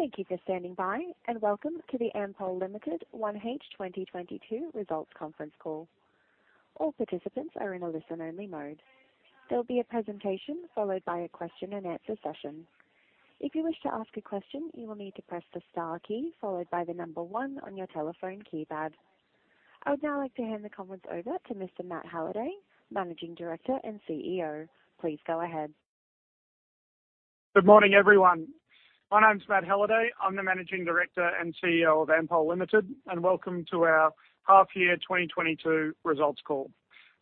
Thank you for standing by and welcome to the Ampol Limited 1H2022 Results Conference Call. All participants are in a listen-only mode. There'll be a presentation followed by a question-and-answer session. If you wish to ask a question, you will need to press the star key followed by the number one on your telephone keypad. I would now like to hand the conference over to Mr. Matt Halliday, Managing Director and CEO. Please go ahead. Good morning, everyone. My name's Matt Halliday, I'm the Managing Director and CEO of Ampol Limited, and welcome to our half year 2022 results call.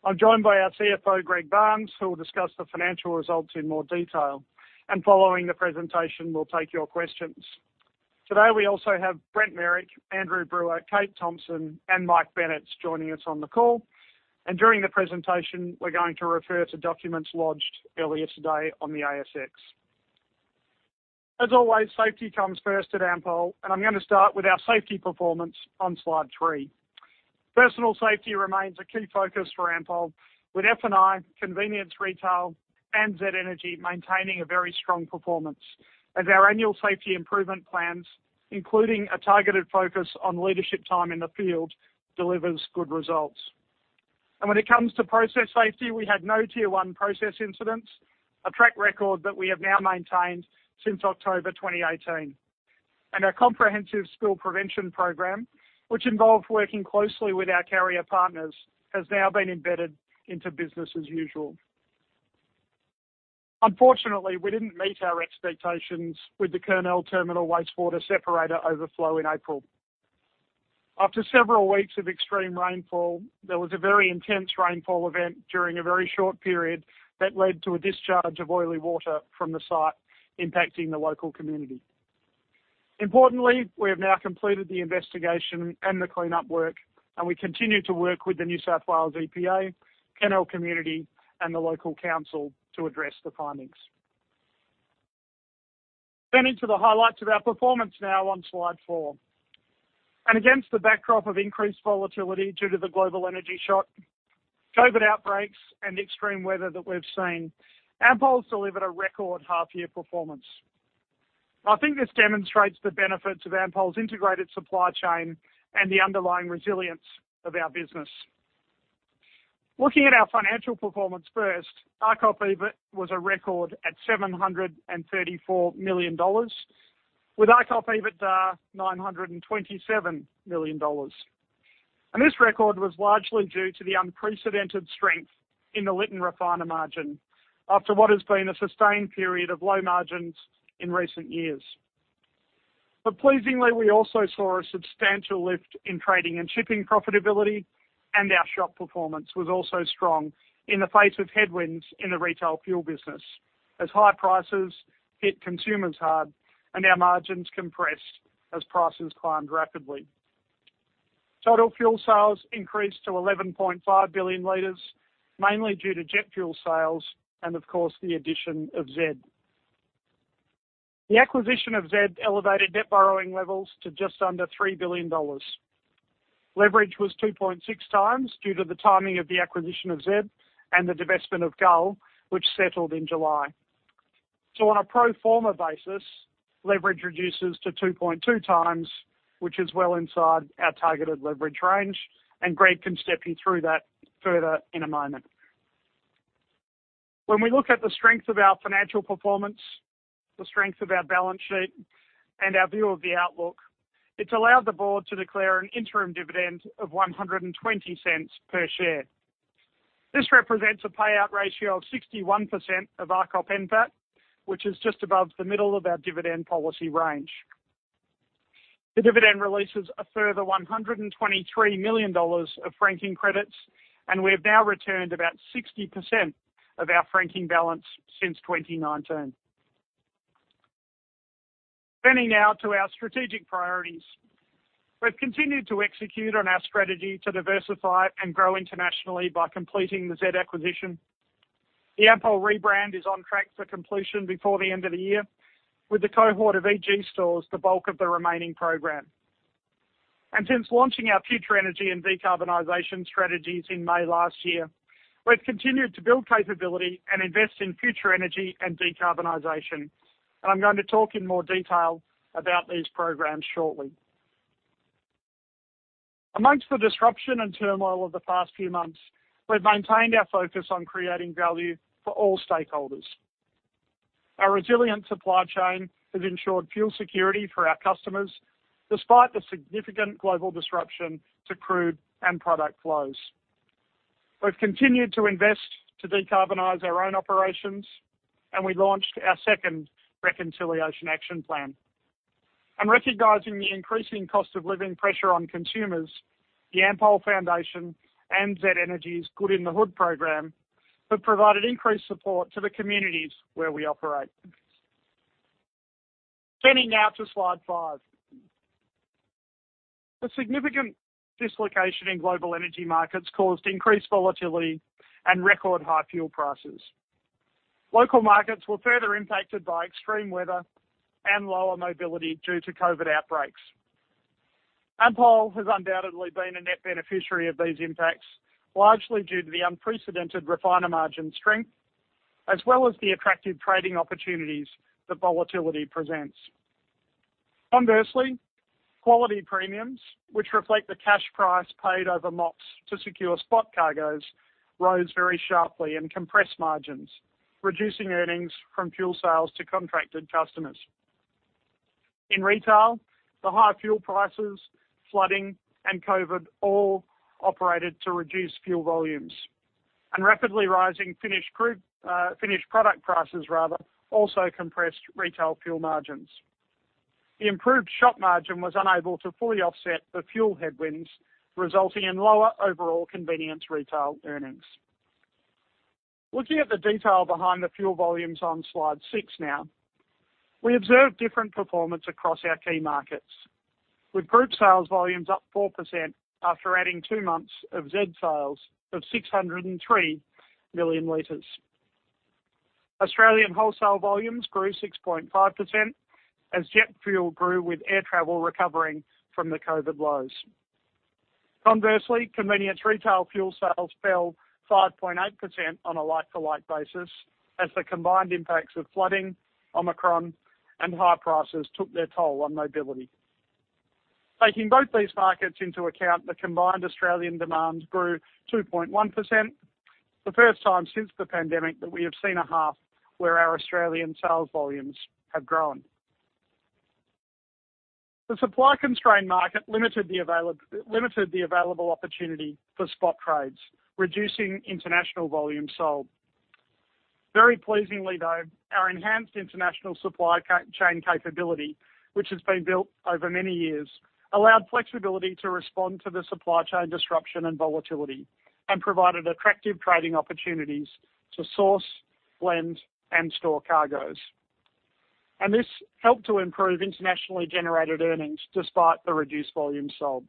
I'm joined by our CFO, Greg Barnes, who will discuss the financial results in more detail. Following the presentation, we'll take your questions. Today, we also have Brent Merrick, Andrew Brewer, Kate Thomson, and Mike Bennetts joining us on the call. During the presentation, we're going to refer to documents lodged earlier today on the ASX. As always, safety comes first at Ampol, and I'm gonna start with our safety performance on slide three. Personal safety remains a key focus for Ampol with F&I, Convenience Retail, and Z Energy maintaining a very strong performance. As our annual safety improvement plans, including a targeted focus on leadership time in the field, delivers good results. When it comes to process safety, we had no tier-one process incidents, a track record that we have now maintained since October 2018. Our comprehensive spill prevention program, which involved working closely with our carrier partners, has now been embedded into business as usual. Unfortunately, we didn't meet our expectations with the Kurnell terminal wastewater separator overflow in April. After several weeks of extreme rainfall, there was a very intense rainfall event during a very short period that led to a discharge of oily water from the site impacting the local community. Importantly, we have now completed the investigation and the cleanup work, and we continue to work with the New South Wales EPA, Kurnell community, and the local council to address the findings. Turning to the highlights of our performance now on slide four. Against the backdrop of increased volatility due to the global energy shock, COVID outbreaks, and extreme weather that we've seen, Ampol's delivered a record half year performance. I think this demonstrates the benefits of Ampol's integrated supply chain and the underlying resilience of our business. Looking at our financial performance first, ARCOP EBIT was a record at 734 million dollars, with ARCOP EBITDA 927 million dollars. This record was largely due to the unprecedented strength in the Lytton refiner margin after what has been a sustained period of low margins in recent years. Pleasingly, we also saw a substantial lift in trading and shipping profitability, and our shop performance was also strong in the face of headwinds in the retail fuel business as high prices hit consumers hard and our margins compressed as prices climbed rapidly. Total fuel sales increased to 11.5 billion liters, mainly due to jet fuel sales and, of course, the addition of Z. The acquisition of Z elevated debt borrowing levels to just under 3 billion dollars. Leverage was 2.6 times due to the timing of the acquisition of Z and the divestment of Gull, which settled in July. On a pro forma basis, leverage reduces to 2.2 times, which is well inside our targeted leverage range, and Greg can step you through that further in a moment. When we look at the strength of our financial performance, the strength of our balance sheet, and our view of the outlook, it's allowed the board to declare an interim dividend of 1.20 per share. This represents a payout ratio of 61% of ARCOP NPAT, which is just above the middle of our dividend policy range. The dividend releases a further 123 million dollars of franking credits, and we have now returned about 60% of our franking balance since 2019. Turning now to our strategic priorities. We've continued to execute on our strategy to diversify and grow internationally by completing the Z acquisition. The Ampol rebrand is on track for completion before the end of the year, with the cohort of EG stores the bulk of the remaining program. Since launching our future energy and decarbonization strategies in May last year, we've continued to build capability and invest in future energy and decarbonization, and I'm going to talk in more detail about these programs shortly. Among the disruption and turmoil of the past few months, we've maintained our focus on creating value for all stakeholders. Our resilient supply chain has ensured fuel security for our customers despite the significant global disruption to crude and product flows. We've continued to invest to decarbonize our own operations, and we launched our second Reconciliation Action Plan. Recognizing the increasing cost of living pressure on consumers, the Ampol Foundation and Z Energy's Good in the Hood program have provided increased support to the communities where we operate. Turning now to slide five. The significant dislocation in global energy markets caused increased volatility and record high fuel prices. Local markets were further impacted by extreme weather and lower mobility due to COVID outbreaks. Ampol has undoubtedly been a net beneficiary of these impacts, largely due to the unprecedented refiner margin strength, as well as the attractive trading opportunities that volatility presents. Conversely, quality premiums, which reflect the cash price paid over MOPS to secure spot cargoes, rose very sharply and compressed margins, reducing earnings from fuel sales to contracted customers. In retail, the high fuel prices, flooding, and COVID all operated to reduce fuel volumes. Rapidly rising finished product prices rather also compressed retail fuel margins. The improved shop margin was unable to fully offset the fuel headwinds, resulting in lower overall convenience retail earnings. Looking at the detail behind the fuel volumes on slide six now. We observed different performance across our key markets, with group sales volumes up 4% after adding two months of Z sales of 603 million liters. Australian wholesale volumes grew 6.5% as jet fuel grew, with air travel recovering from the COVID lows. Conversely, convenience retail fuel sales fell 5.8% on a like-for-like basis, as the combined impacts of flooding, Omicron, and high prices took their toll on mobility. Taking both these markets into account, the combined Australian demands grew 2.1%, the first time since the pandemic that we have seen a half where our Australian sales volumes have grown. The supply-constrained market limited the available opportunity for spot trades, reducing international volumes sold. Very pleasingly, though, our enhanced international supply chain capability, which has been built over many years, allowed flexibility to respond to the supply chain disruption and volatility, and provided attractive trading opportunities to source, blend, and store cargoes. This helped to improve internationally generated earnings, despite the reduced volume sold.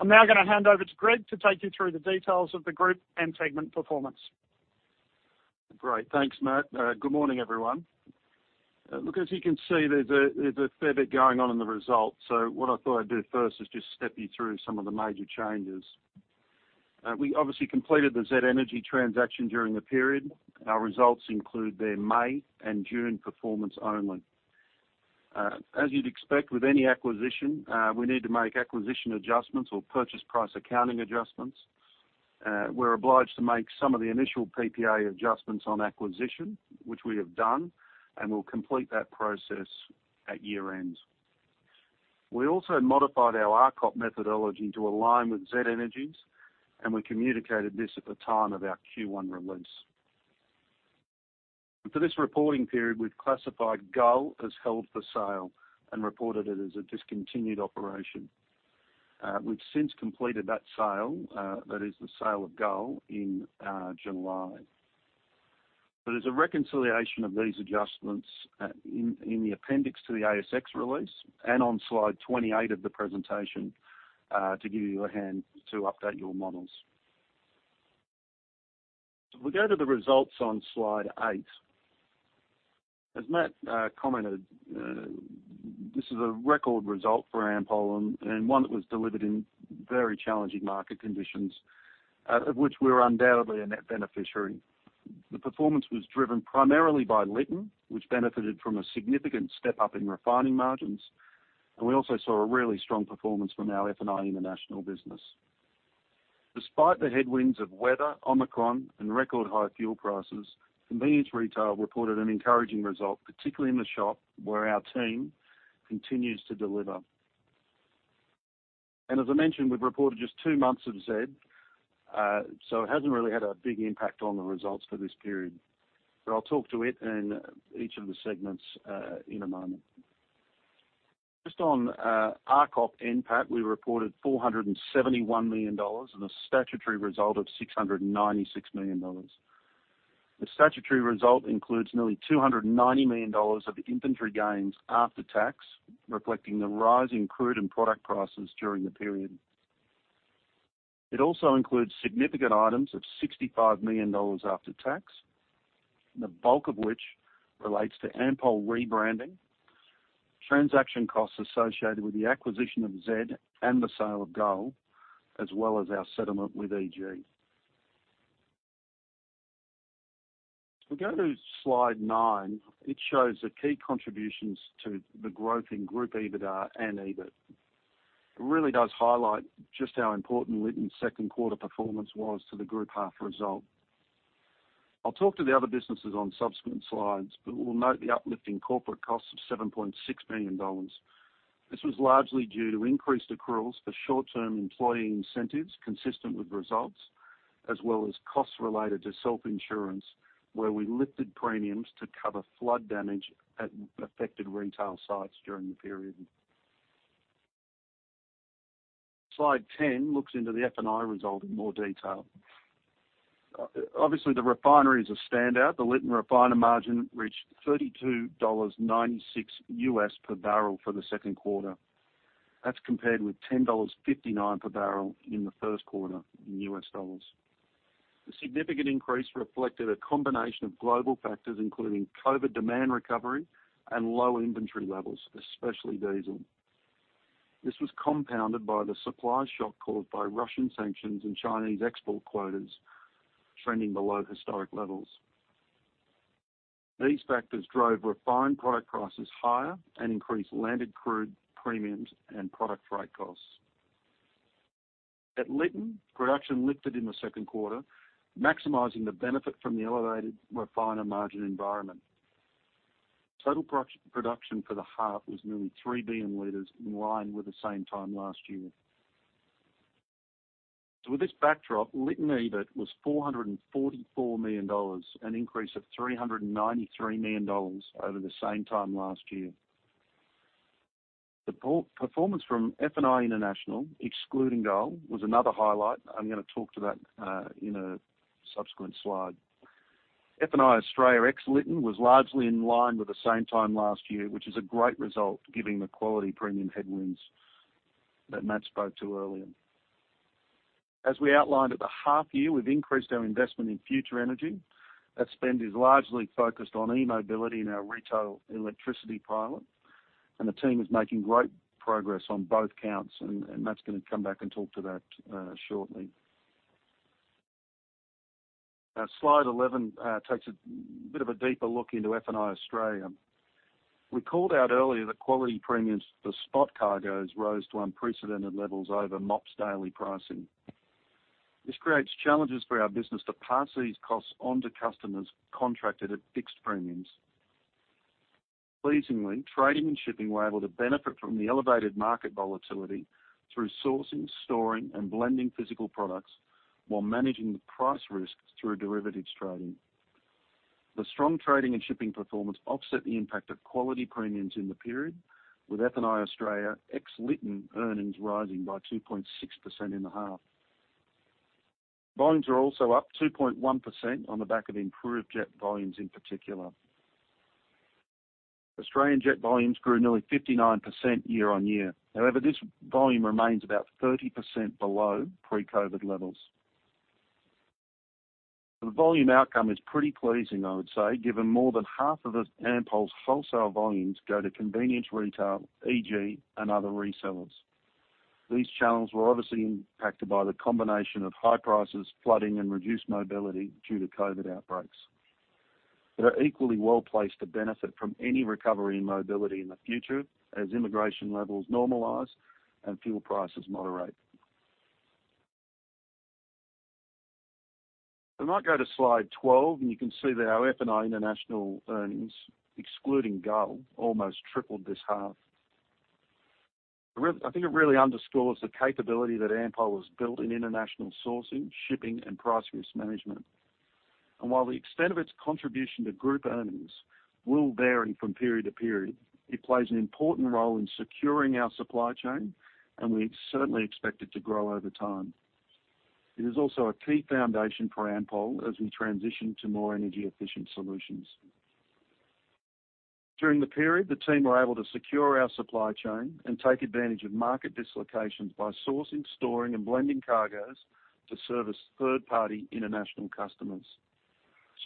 I'm now gonna hand over to Greg Barnes to take you through the details of the group and segment performance. Great. Thanks, Matt. Good morning, everyone. Look, as you can see, there's a fair bit going on in the results, so what I thought I'd do first is just step you through some of the major changes. We obviously completed the Z Energy transaction during the period. Our results include their May and June performance only. As you'd expect with any acquisition, we need to make acquisition adjustments or purchase price accounting adjustments. We're obliged to make some of the initial PPA adjustments on acquisition, which we have done, and we'll complete that process at year-end. We also modified our ARCOP methodology to align with Z Energy's, and we communicated this at the time of our Q1 release. For this reporting period, we've classified Gull as held for sale and reported it as a discontinued operation. We've since completed that sale, that is the sale of Gull in July. There's a reconciliation of these adjustments in the appendix to the ASX release and on slide 28 of the presentation to give you a hand to update your models. If we go to the results on slide eight, as Matt commented, this is a record result for Ampol and one that was delivered in very challenging market conditions of which we're undoubtedly a net beneficiary. The performance was driven primarily by Lytton, which benefited from a significant step up in refining margins, and we also saw a really strong performance from our F&I international business. Despite the headwinds of weather, Omicron, and record high fuel prices, convenience retail reported an encouraging result, particularly in the shop where our team continues to deliver. As I mentioned, we've reported just two months of Z, so it hasn't really had a big impact on the results for this period. I'll talk to it and each of the segments in a moment. Just on ARCOP NPAT, we reported 471 million dollars and a statutory result of 696 million dollars. The statutory result includes nearly 290 million dollars of inventory gains after tax, reflecting the rise in crude and product prices during the period. It also includes significant items of 65 million dollars after tax, the bulk of which relates to Ampol rebranding, transaction costs associated with the acquisition of Z and the sale of Gull, as well as our settlement with EG. If we go to slide nine, it shows the key contributions to the growth in group EBITDA and EBIT. It really does highlight just how important Lytton's second quarter performance was to the group half result. I'll talk to the other businesses on subsequent slides, but we'll note the uplift in corporate costs of 7.6 million dollars. This was largely due to increased accruals for short-term employee incentives consistent with results, as well as costs related to self-insurance, where we lifted premiums to cover flood damage at affected retail sites during the period. Slide 10 looks into the F&I result in more detail. Obviously the refinery is a standout. The Lytton refiner margin reached $32.96 US per barrel for the second quarter. That's compared with $10.59 per barrel in the first quarter in US dollars. The significant increase reflected a combination of global factors, including COVID demand recovery and low inventory levels, especially diesel. This was compounded by the supply shock caused by Russian sanctions and Chinese export quotas trending below historic levels. These factors drove refined product prices higher and increased landed crude premiums and product freight costs. At Lytton, production lifted in the second quarter, maximizing the benefit from the elevated refiner margin environment. Total production for the half was nearly 3 billion liters, in line with the same time last year. With this backdrop, Lytton EBIT was 444 million dollars, an increase of 393 million dollars over the same time last year. The performance from FNI International, excluding Gull, was another highlight. I'm gonna talk to that, in a subsequent slide. FNI Australia ex Lytton was largely in line with the same time last year, which is a great result given the quality premium headwinds that Matt spoke to earlier. As we outlined at the half year, we've increased our investment in future energy. That spend is largely focused on e-mobility and our retail electricity pilot, and the team is making great progress on both counts, and Matt's gonna come back and talk to that shortly. Now, slide 11 takes a bit of a deeper look into FNI Australia. We called out earlier that quality premiums for spot cargoes rose to unprecedented levels over MOPS daily pricing. This creates challenges for our business to pass these costs on to customers contracted at fixed premiums. Pleasingly, trading and shipping were able to benefit from the elevated market volatility through sourcing, storing, and blending physical products while managing the price risks through derivatives trading. The strong trading and shipping performance offset the impact of quality premiums in the period, with FNI Australia ex Lytton earnings rising by 2.6% in the half. Volumes are also up 2.1% on the back of improved jet volumes in particular. Australian jet volumes grew nearly 59% year-on-year. However, this volume remains about 30% below pre-COVID levels. The volume outcome is pretty pleasing, I would say, given more than half of Ampol's wholesale volumes go to convenience retail, EG, and other resellers. These channels were obviously impacted by the combination of high prices, flooding, and reduced mobility due to COVID outbreaks. They are equally well-placed to benefit from any recovery in mobility in the future as immigration levels normalize and fuel prices moderate. If I might go to slide 12, and you can see that our FNI international earnings, excluding Gull, almost tripled this half. I think it really underscores the capability that Ampol has built in international sourcing, shipping, and price risk management. While the extent of its contribution to group earnings will vary from period to period, it plays an important role in securing our supply chain, and we certainly expect it to grow over time. It is also a key foundation for Ampol as we transition to more energy-efficient solutions. During the period, the team were able to secure our supply chain and take advantage of market dislocations by sourcing, storing, and blending cargoes to service third-party international customers.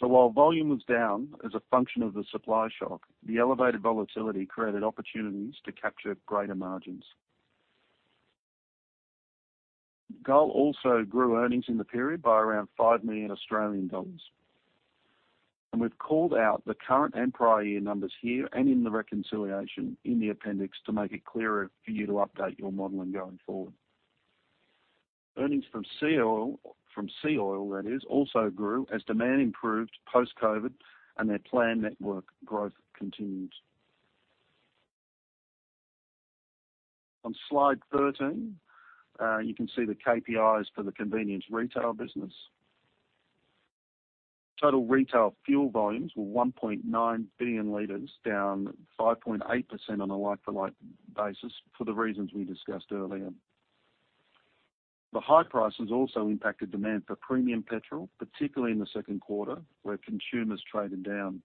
While volume was down as a function of the supply shock, the elevated volatility created opportunities to capture greater margins. Gull also grew earnings in the period by around 5 million Australian dollars. We've called out the current and prior year numbers here and in the reconciliation in the appendix to make it clearer for you to update your modeling going forward. Earnings from SEAOIL, from SEAOIL that is, also grew as demand improved post-COVID and their planned network growth continued. On slide 13, you can see the KPIs for the convenience retail business. Total retail fuel volumes were 1.9 billion liters, down 5.8% on a like-for-like basis for the reasons we discussed earlier. The high prices also impacted demand for premium petrol, particularly in the second quarter, where consumers traded down.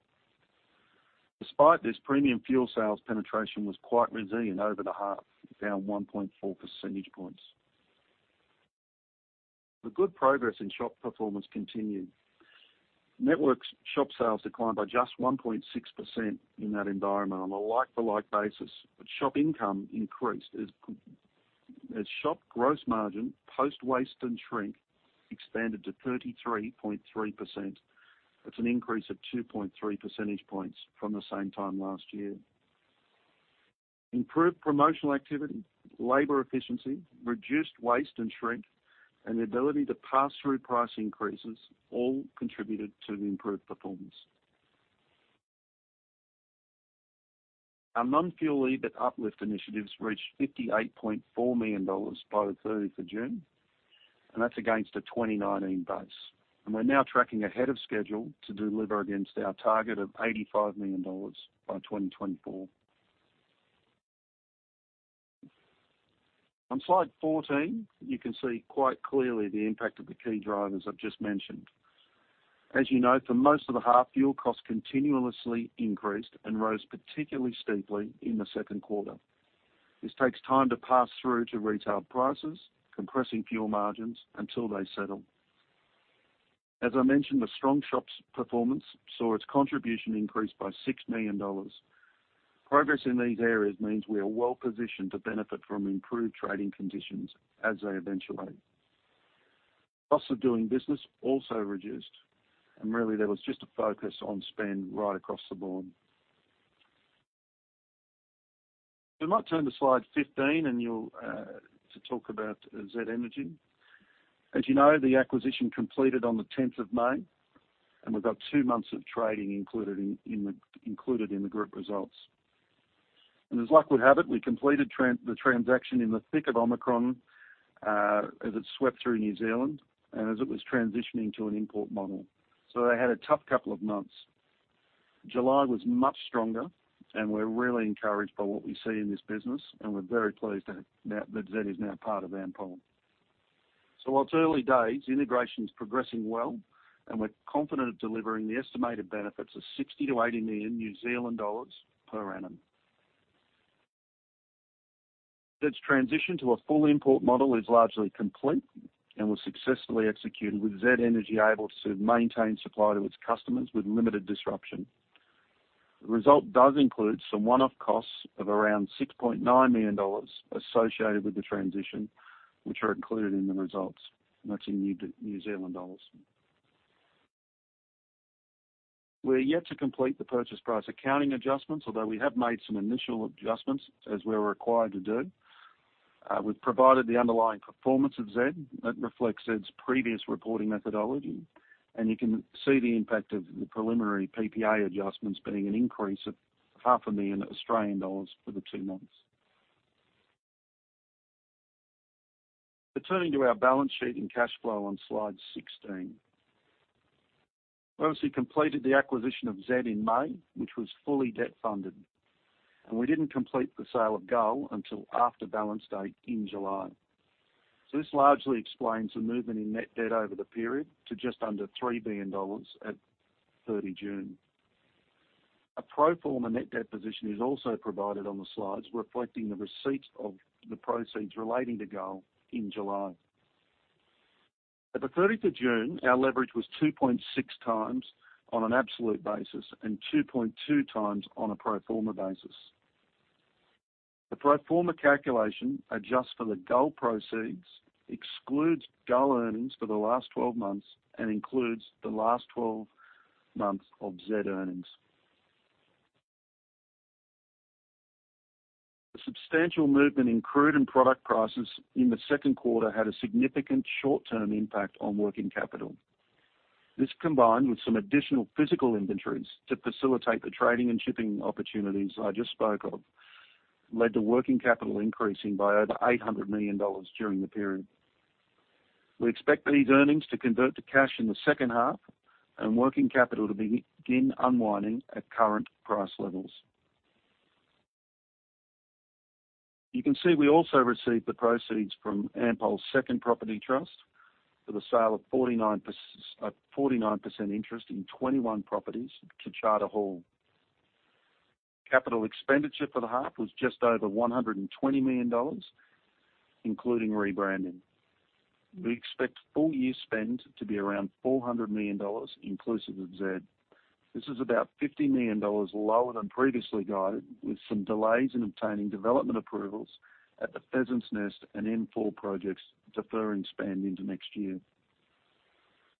Despite this, premium fuel sales penetration was quite resilient over the half, down 1.4 percentage points. The good progress in shop performance continued. Network's shop sales declined by just 1.6% in that environment on a like-for-like basis, but shop income increased as shop gross margin, post-waste and shrink, expanded to 33.3%. That's an increase of 2.3 percentage points from the same time last year. Improved promotional activity, labor efficiency, reduced waste and shrink, and the ability to pass through price increases all contributed to the improved performance. Our non-fuel EBIT uplift initiatives reached 58.4 million dollars by the thirtieth of June, and that's against a 2019 base. We're now tracking ahead of schedule to deliver against our target of 85 million dollars by 2024. On slide 14, you can see quite clearly the impact of the key drivers I've just mentioned. As you know, for most of the half, fuel costs continuously increased and rose particularly steeply in the second quarter. This takes time to pass through to retail prices, compressing fuel margins until they settle. As I mentioned, the strong shops performance saw its contribution increase by 6 million dollars. Progress in these areas means we are well positioned to benefit from improved trading conditions as they eventuate. Costs of doing business also reduced, and really there was just a focus on spend right across the board. We might turn to slide 15, and you'll to talk about Z Energy. As you know, the acquisition completed on the tenth of May, and we've got two months of trading included in the group results. As luck would have it, we completed the transaction in the thick of Omicron, as it swept through New Zealand and as it was transitioning to an import model. They had a tough couple of months. July was much stronger, and we're really encouraged by what we see in this business, and we're very pleased that Z is now part of Ampol. While it's early days, integration's progressing well, and we're confident of delivering the estimated benefits of 60 million-80 million New Zealand dollars per annum. Z Energy's transition to a full import model is largely complete and was successfully executed, with Z Energy able to maintain supply to its customers with limited disruption. The result does include some one-off costs of around 6.9 million dollars associated with the transition, which are included in the results, and that's in New Zealand dollars. We're yet to complete the purchase price accounting adjustments, although we have made some initial adjustments, as we're required to do. We've provided the underlying performance of Z that reflects Z's previous reporting methodology, and you can see the impact of the preliminary PPA adjustments being an increase of half a million Australian dollars for the two months. Turning to our balance sheet and cash flow on slide 16. We obviously completed the acquisition of Z in May, which was fully debt-funded, and we didn't complete the sale of Gull until after balance date in July. This largely explains the movement in net debt over the period to just under 3 billion dollars at 30 June. A pro forma net debt position is also provided on the slides, reflecting the receipt of the proceeds relating to Gull in July. At the 30th of June, our leverage was 2.6 times on an absolute basis and 2.2 times on a pro forma basis. The pro forma calculation adjusts for the Gull proceeds, excludes Gull earnings for the last twelve months, and includes the last twelve months of Z earnings. The substantial movement in crude and product prices in the second quarter had a significant short-term impact on working capital. This, combined with some additional physical inventories to facilitate the trading and shipping opportunities I just spoke of, led to working capital increasing by over 800 million dollars during the period. We expect these earnings to convert to cash in the second half, and working capital to begin unwinding at current price levels. You can see we also received the proceeds from Ampol's second property trust for the sale of 49% interest in 21 properties to Charter Hall. Capital expenditure for the half was just over 120 million dollars, including rebranding. We expect full year spend to be around 400 million dollars, inclusive of Z. This is about 50 million dollars lower than previously guided, with some delays in obtaining development approvals at the Pheasant's Nest and M4 projects deferring spend into next year.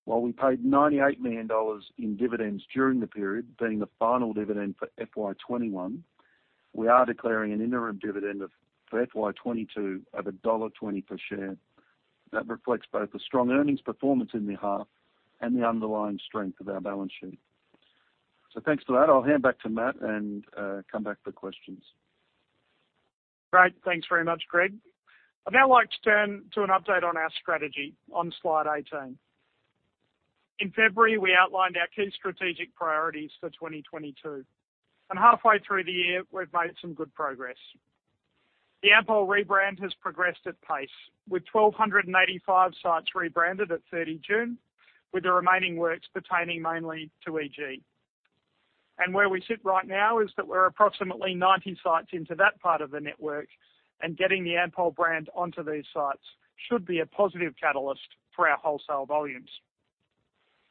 While we paid 98 million dollars in dividends during the period, being the final dividend for FY 2021, we are declaring an interim dividend for FY 2022 of AUD 1.20 per share. That reflects both the strong earnings performance in the half and the underlying strength of our balance sheet. Thanks for that. I'll hand back to Matt and come back for questions. Great. Thanks very much, Greg. I'd now like to turn to an update on our strategy on slide 18. In February, we outlined our key strategic priorities for 2022, and halfway through the year, we've made some good progress. The Ampol rebrand has progressed at pace, with 1,285 sites rebranded at 30 June, with the remaining works pertaining mainly to EG. Where we sit right now is that we're approximately 90 sites into that part of the network, and getting the Ampol brand onto these sites should be a positive catalyst for our wholesale volumes.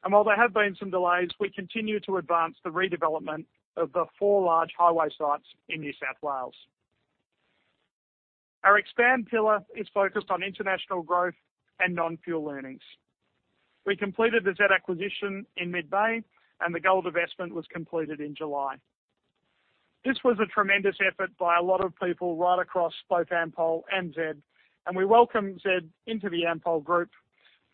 While there have been some delays, we continue to advance the redevelopment of the four large highway sites in New South Wales. Our expand pillar is focused on international growth and non-fuel earnings. We completed the Z acquisition in mid-May, and the Gull divestment was completed in July. This was a tremendous effort by a lot of people right across both Ampol and Z, and we welcome Z into the Ampol group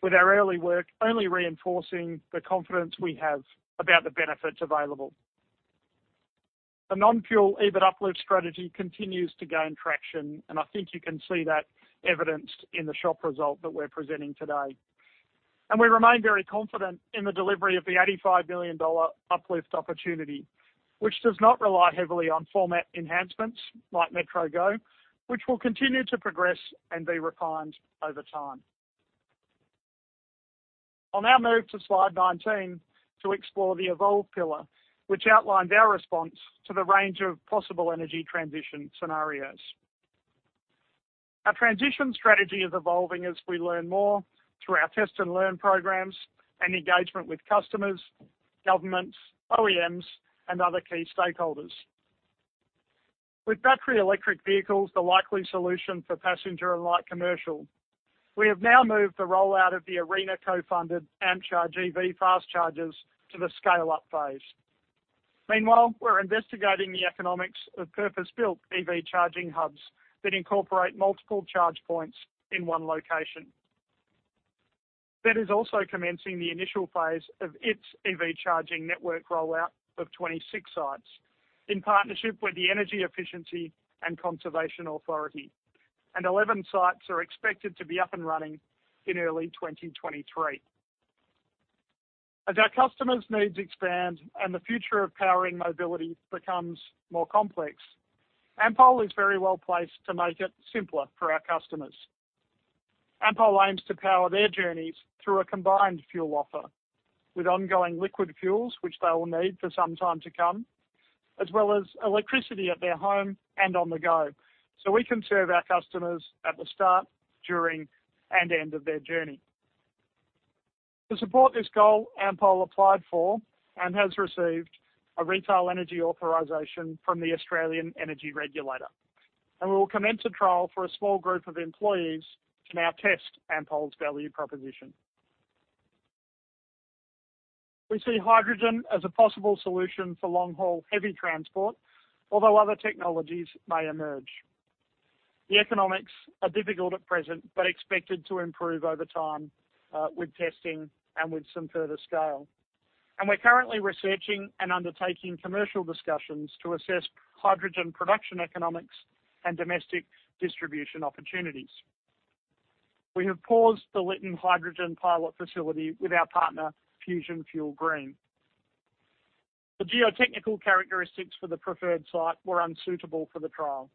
with our early work only reinforcing the confidence we have about the benefits available. The non-fuel EBIT uplift strategy continues to gain traction, and I think you can see that evidenced in the shop result that we're presenting today. We remain very confident in the delivery of the 85 million dollar uplift opportunity, which does not rely heavily on format enhancements like MetroGo, which will continue to progress and be refined over time. I'll now move to slide 19 to explore the evolve pillar, which outlines our response to the range of possible energy transition scenarios. Our transition strategy is evolving as we learn more through our test and learn programs and engagement with customers, governments, OEMs, and other key stakeholders. With battery electric vehicles the likely solution for passenger and light commercial, we have now moved the rollout of the ARENA co-funded AmpCharge EV fast chargers to the scale-up phase. Meanwhile, we're investigating the economics of purpose-built EV charging hubs that incorporate multiple charge points in one location. That is also commencing the initial phase of its EV charging network rollout of 26 sites in partnership with the Energy Efficiency and Conservation Authority, and 11 sites are expected to be up and running in early 2023. As our customers' needs expand and the future of powering mobility becomes more complex, Ampol is very well placed to make it simpler for our customers. Ampol aims to power their journeys through a combined fuel offer with ongoing liquid fuels, which they will need for some time to come, as well as electricity at their home and on the go, so we can serve our customers at the start, during, and end of their journey. To support this goal, Ampol applied for and has received a retail energy authorization from the Australian Energy Regulator, and we will commence a trial for a small group of employees to now test Ampol's value proposition. We see hydrogen as a possible solution for long-haul heavy transport, although other technologies may emerge. The economics are difficult at present, but expected to improve over time, with testing and with some further scale. We're currently researching and undertaking commercial discussions to assess hydrogen production economics and domestic distribution opportunities. We have paused the Lytton Hydrogen pilot facility with our partner, Fusion Fuel Green. The geotechnical characteristics for the preferred site were unsuitable for the trial.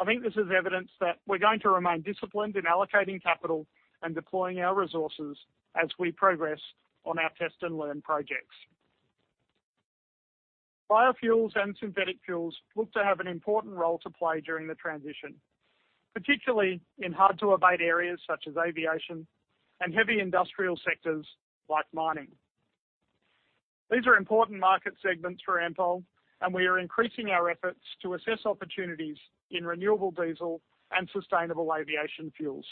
I think this is evidence that we're going to remain disciplined in allocating capital and deploying our resources as we progress on our test and learn projects. Biofuels and synthetic fuels look to have an important role to play during the transition, particularly in hard to abate areas such as aviation and heavy industrial sectors like mining. These are important market segments for Ampol, and we are increasing our efforts to assess opportunities in renewable diesel and sustainable aviation fuels,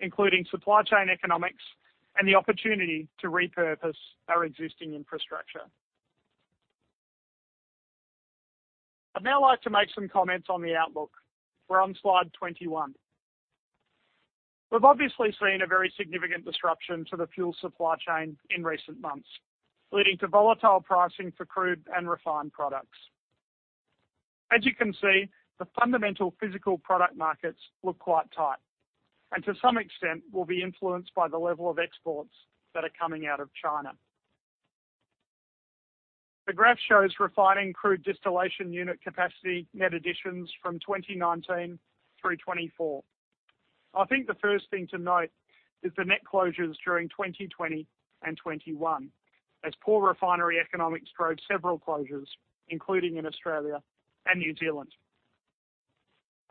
including supply chain economics and the opportunity to repurpose our existing infrastructure. I'd now like to make some comments on the outlook. We're on slide 21. We've obviously seen a very significant disruption to the fuel supply chain in recent months, leading to volatile pricing for crude and refined products. As you can see, the fundamental physical product markets look quite tight, and to some extent will be influenced by the level of exports that are coming out of China. The graph shows refining crude distillation unit capacity net additions from 2019 through 2024. I think the first thing to note is the net closures during 2020 and 2021, as poor refinery economics drove several closures, including in Australia and New Zealand.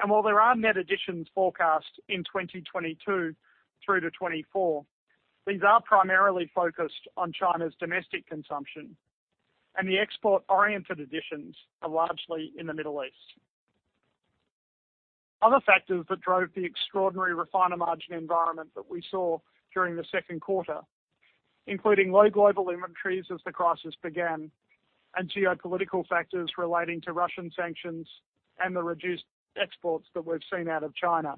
While there are net additions forecast in 2022 through to 2024, these are primarily focused on China's domestic consumption, and the export-oriented additions are largely in the Middle East. Other factors that drove the extraordinary refiner margin environment that we saw during the second quarter, including low global inventories as the crisis began, and geopolitical factors relating to Russian sanctions and the reduced exports that we've seen out of China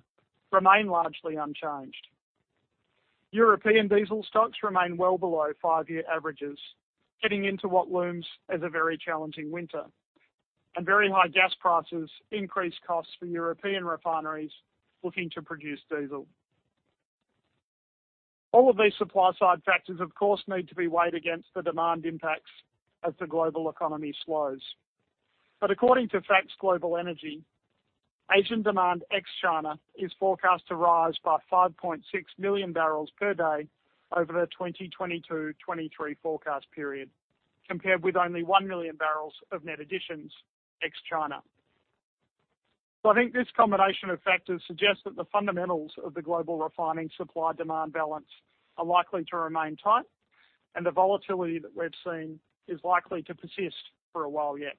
remain largely unchanged. European diesel stocks remain well below five-year averages, heading into what looms as a very challenging winter, and very high gas prices increase costs for European refineries looking to produce diesel. All of these supply side factors, of course, need to be weighed against the demand impacts as the global economy slows. According to Facts Global Energy, Asian demand ex-China is forecast to rise by 5.6 million barrels per day over the 2022-23 forecast period, compared with only 1 million barrels of net additions ex-China. I think this combination of factors suggests that the fundamentals of the global refining supply-demand balance are likely to remain tight, and the volatility that we've seen is likely to persist for a while yet.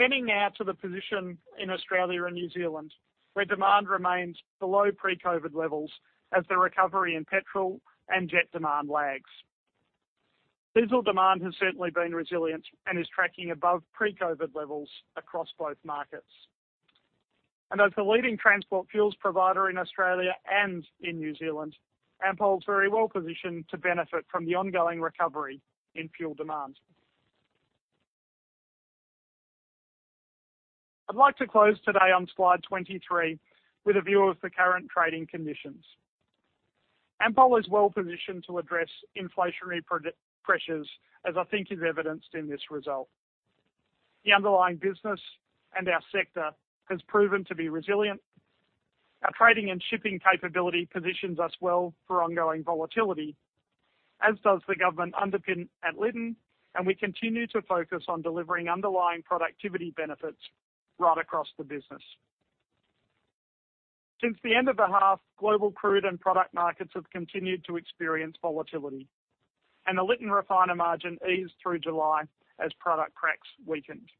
Turning now to the position in Australia and New Zealand, where demand remains below pre-COVID levels as the recovery in petrol and jet demand lags. Diesel demand has certainly been resilient and is tracking above pre-COVID levels across both markets. As the leading transport fuels provider in Australia and in New Zealand, Ampol is very well positioned to benefit from the ongoing recovery in fuel demand. I'd like to close today on slide 23 with a view of the current trading conditions. Ampol is well-positioned to address inflationary pressures, as I think is evidenced in this result. The underlying business and our sector has proven to be resilient. Our trading and shipping capability positions us well for ongoing volatility, as does the government underpin at Lytton, and we continue to focus on delivering underlying productivity benefits right across the business. Since the end of the half, global crude and product markets have continued to experience volatility, and the Lytton refiner margin eased through July as product cracks weakened.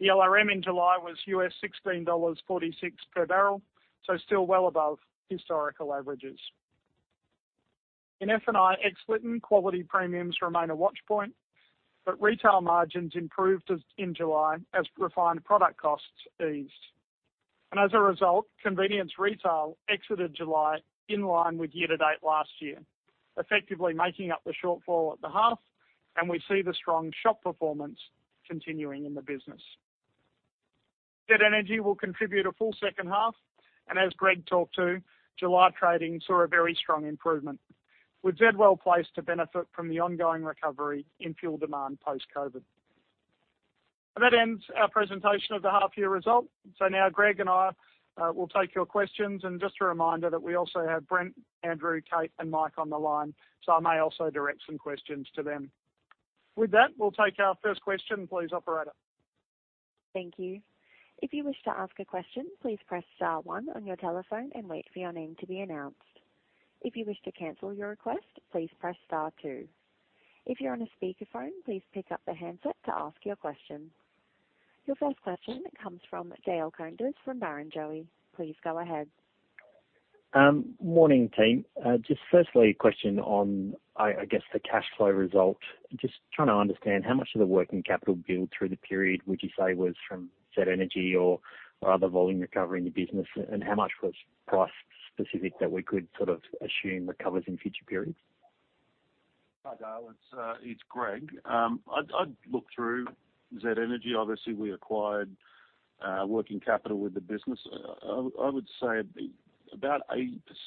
The LRM in July was $16.46 per barrel, so still well above historical averages. In FNI ex Lytton, quality premiums remain a watch point, but retail margins improved in July as refined product costs eased. As a result, convenience retail exited July in line with year-to-date last year, effectively making up the shortfall at the half, and we see the strong shop performance continuing in the business. Z Energy will contribute a full second half, and as Greg talked about, July trading saw a very strong improvement, with Z Energy well-placed to benefit from the ongoing recovery in fuel demand post-COVID. That ends our presentation of the half-year result. Now Greg and I will take your questions. Just a reminder that we also have Brent, Andrew, Kate, and Mike on the line, so I may also direct some questions to them. With that, we'll take our first question please, operator. Thank you. If you wish to ask a question, please press star one on your telephone and wait for your name to be announced. If you wish to cancel your request, please press star two. If you're on a speakerphone, please pick up the handset to ask your question. Your first question comes from Dale Saunders from Barrenjoey. Please go ahead. Morning, team. Just firstly a question on, I guess, the cash flow result. Just trying to understand how much of the working capital build through the period would you say was from Z Energy or other volume recovery in the business, and how much was price-specific that we could sort of assume recovers in future periods? Hi, Dale. It's Greg. I'd look through Z Energy. Obviously, we acquired working capital with the business. I would say about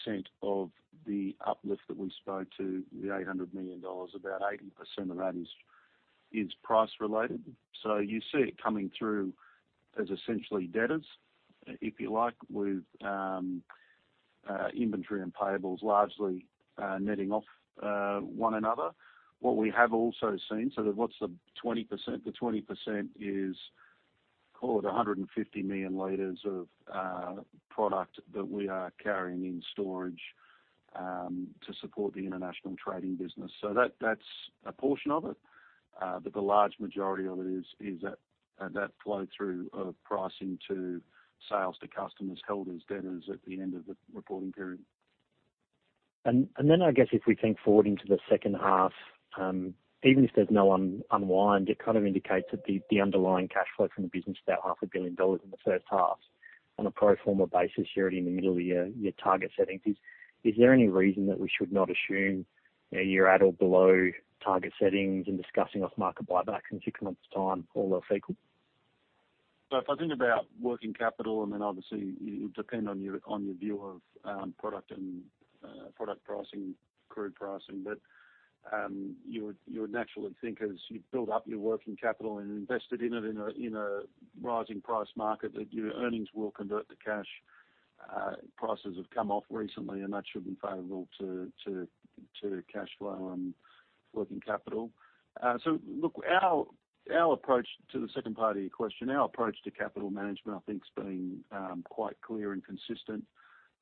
80% of the uplift that we spoke to, the 800 million dollars, about 80% of that is price-related. You see it coming through as essentially debtors, if you like, with inventory and payables largely netting off one another. What we have also seen, so what's the 20%? The 20% is call it 150 million liters of product that we are carrying in storage to support the international trading business. That, that's a portion of it, but the large majority of it is that flow through of pricing to sales to customers held as debtors at the end of the reporting period. I guess if we think forward into the second half, even if there's no unwind, it kind of indicates that the underlying cash flow from the business is about half a billion dollars in the first half. On a pro forma basis, you're already in the middle of your target settings. Is there any reason that we should not assume you're at or below target settings in discussing off-market buybacks in six months' time or less equal? If I think about working capital, and then obviously it will depend on your view of product pricing, crude pricing. You would naturally think as you build up your working capital and invest it in a rising price market, that your earnings will convert to cash. Prices have come off recently, and that should be favorable to cash flow and working capital. Look, our approach to the second part of your question, our approach to capital management, I think, has been quite clear and consistent.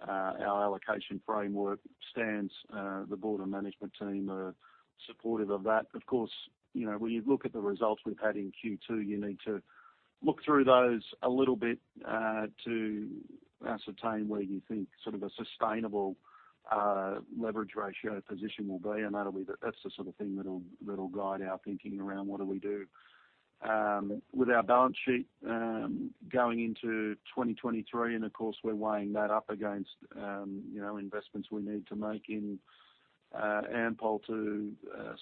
Our allocation framework stands, the board and management team are supportive of that. Of course, you know, when you look at the results we've had in Q2, you need to look through those a little bit to ascertain where you think sort of a sustainable leverage ratio position will be, and that's the sort of thing that'll guide our thinking around what do we do with our balance sheet going into 2023. Of course, we're weighing that up against you know, investments we need to make in Ampol to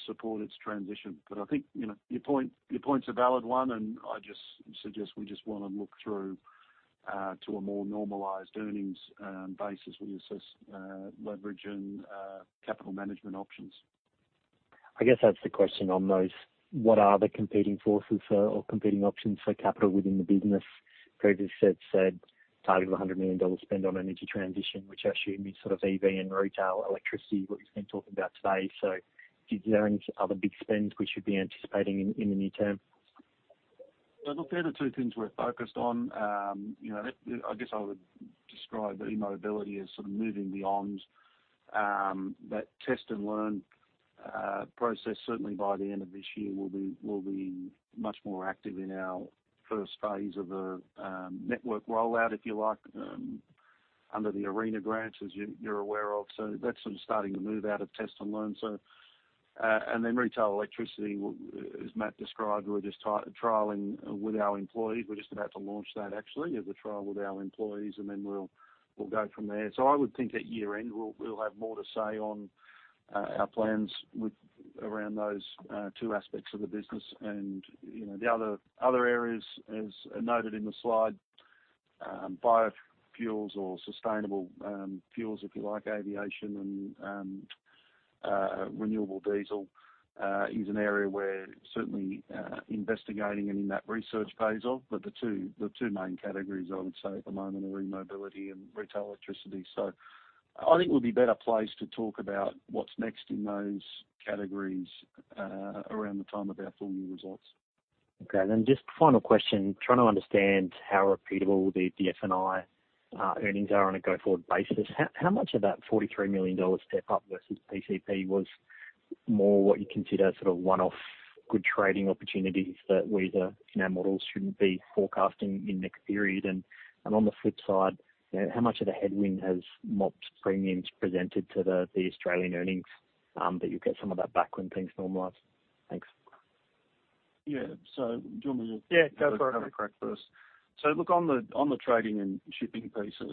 support its transition. I think, you know, your point's a valid one, and I just suggest we just wanna look through to a more normalized earnings basis. We assess leverage and capital management options. I guess that's the question on those. What are the competing forces for or competing options for capital within the business? Greg has said target of 100 million dollars spend on energy transition, which I assume is sort of EV and retail electricity, what you've been talking about today. Is there any other big spends we should be anticipating in the near term? Look, they're the two things we're focused on. You know, I guess I would describe eMobility as sort of moving beyond that test-and-learn process. Certainly by the end of this year, we'll be much more active in our first phase of a network rollout, if you like, under the ARENA grants, as you're aware of. That's sort of starting to move out of test and learn. Retail electricity as Matt described, we're just trialing with our employees. We're just about to launch that actually, the trial with our employees, and then we'll go from there. I would think at year-end, we'll have more to say on our plans around those two aspects of the business. You know, the other areas, as noted in the slide, biofuels or sustainable fuels, if you like, aviation and renewable diesel is an area we're certainly investigating and in that research phase of. The two main categories I would say at the moment are e-mobility and retail electricity. I think we'll be better placed to talk about what's next in those categories around the time of our full year results. Okay. Just final question, trying to understand how repeatable the FNI earnings are on a go-forward basis. How much of that 43 million dollars step up versus PCP was more what you consider sort of one-off good trading opportunities that we either in our models shouldn't be forecasting in next period? And on the flip side, you know, how much of the headwind has MOPS premiums presented to the Australian earnings that you'll get some of that back when things normalize? Thanks. Yeah. Do you want me to? Yeah, go for it. Have a crack first. Look on the trading and shipping piece, I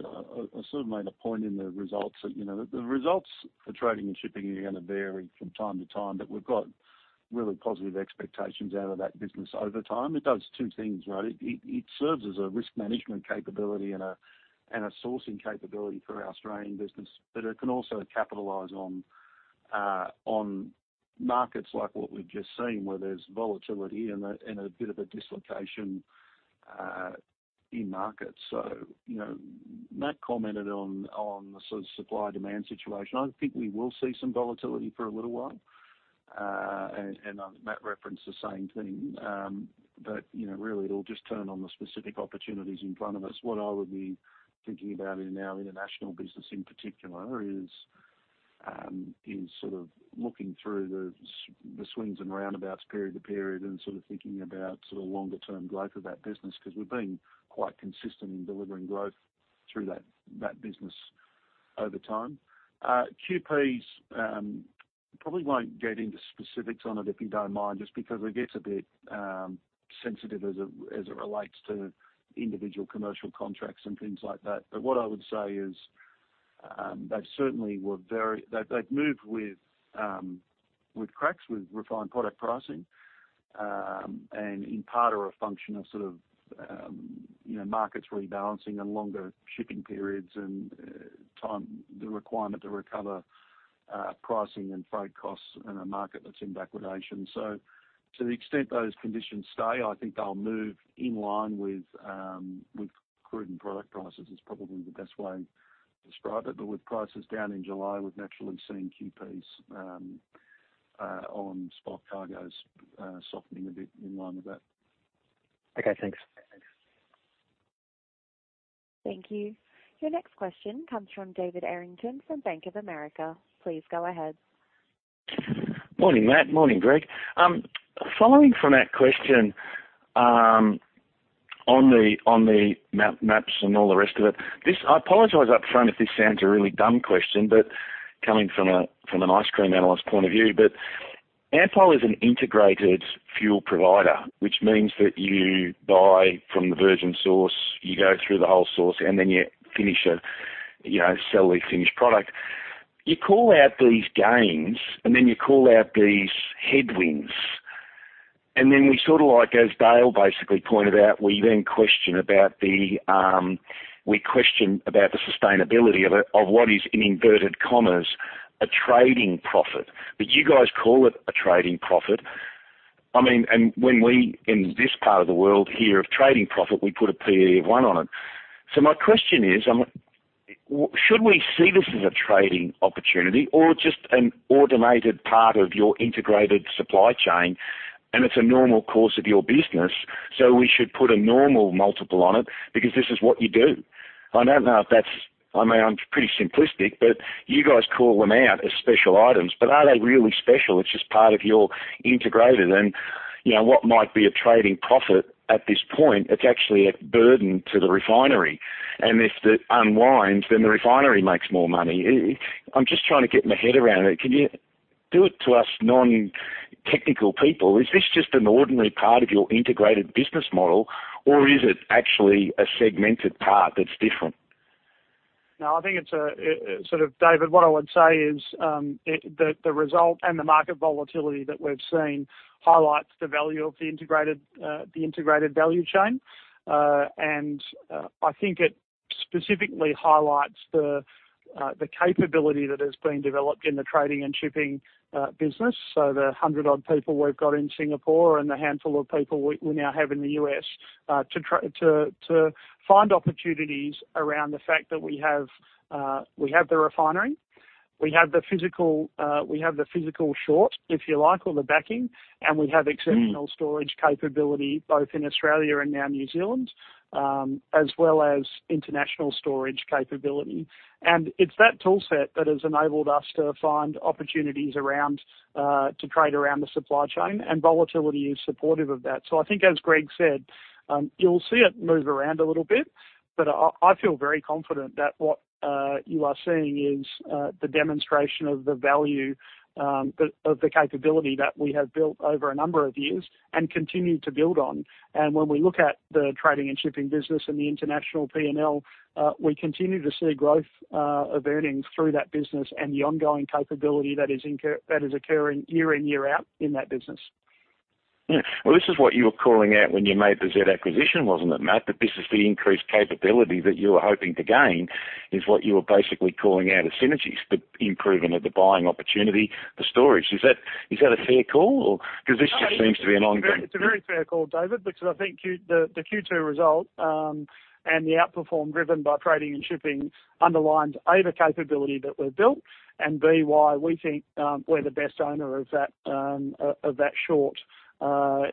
sort of made a point in the results that, you know, the results for trading and shipping are gonna vary from time to time, but we've got really positive expectations out of that business over time. It does two things, right? It serves as a risk management capability and a sourcing capability for our Australian business, but it can also capitalize on markets like what we've just seen, where there's volatility and a bit of a dislocation in markets. You know, Matt commented on the sort of supply demand situation. I think we will see some volatility for a little while. Matt referenced the same thing. you know, really, it'll just turn on the specific opportunities in front of us. What I would be thinking about in our international business in particular is sort of looking through the swings and roundabouts period to period and sort of thinking about longer term growth of that business, 'cause we've been quite consistent in delivering growth through that business over time. QPs probably won't get into specifics on it, if you don't mind, just because it gets a bit sensitive as it relates to individual commercial contracts and things like that. what I would say is they certainly were very. They've moved with cracks, with refined product pricing, and in part are a function of sort of you know, markets rebalancing and longer shipping periods and time. The requirement to recover pricing and freight costs in a market that's in liquidation. To the extent those conditions stay, I think they'll move in line with crude and product prices, is probably the best way to describe it. With prices down in July, we've naturally seen QPs on spot cargoes softening a bit in line with that. Okay, thanks. Thanks. Thank you. Your next question comes from David Errington from Bank of America. Please go ahead. Morning, Matt. Morning, Greg. Following from that question, on the margins and all the rest of it. I apologize up front if this sounds a really dumb question, but coming from an ice cream analyst point of view, but Ampol is an integrated fuel provider, which means that you buy from the virgin source, you go through the whole source, and then you finish it, you know, sell the finished product. You call out these gains, and then you call out these headwinds. We sorta like, as Dale basically pointed out, question the sustainability of it, of what is, in inverted commas, a trading profit. But you guys call it a trading profit. I mean, when we, in this part of the world here of trading profit, we put a P/E of one on it. My question is, should we see this as a trading opportunity or just an automated part of your integrated supply chain, and it's a normal course of your business, so we should put a normal multiple on it because this is what you do? I don't know if that's. I mean, I'm pretty simplistic, but you guys call them out as special items, but are they really special? It's just part of your integrated and, you know, what might be a trading profit at this point, it's actually a burden to the refinery. If it unwinds, then the refinery makes more money. I'm just trying to get my head around it. Can you do it to us non-technical people? Is this just an ordinary part of your integrated business model, or is it actually a segmented part that's different? No, I think it's a sort of David, what I would say is, the result and the market volatility that we've seen highlights the value of the integrated value chain. I think it specifically highlights the capability that has been developed in the trading and shipping business. The hundred-odd people we've got in Singapore and the handful of people we now have in the US to find opportunities around the fact that we have the refinery, we have the physical short, if you like, or the backing, and we have exceptional storage capability both in Australia and now New Zealand, as well as international storage capability. It's that toolset that has enabled us to find opportunities around to trade around the supply chain, and volatility is supportive of that. I think as Greg said, you'll see it move around a little bit, but I feel very confident that what you are seeing is the demonstration of the value of the capability that we have built over a number of years and continue to build on. When we look at the trading and shipping business and the international P&L, we continue to see growth of earnings through that business and the ongoing capability that is occurring year in, year out in that business. Yeah. Well, this is what you were calling out when you made the Z acquisition, wasn't it, Matt? That this is the increased capability that you were hoping to gain, is what you were basically calling out as synergies, the improvement of the buying opportunity, the storage. Is that a fair call? Or, 'cause this just seems to be an ongoing It's a very fair call, David, because I think the Q2 result and the outperformance driven by trading and shipping underlines A, the capability that we've built, and B, why we think we're the best owner of that sort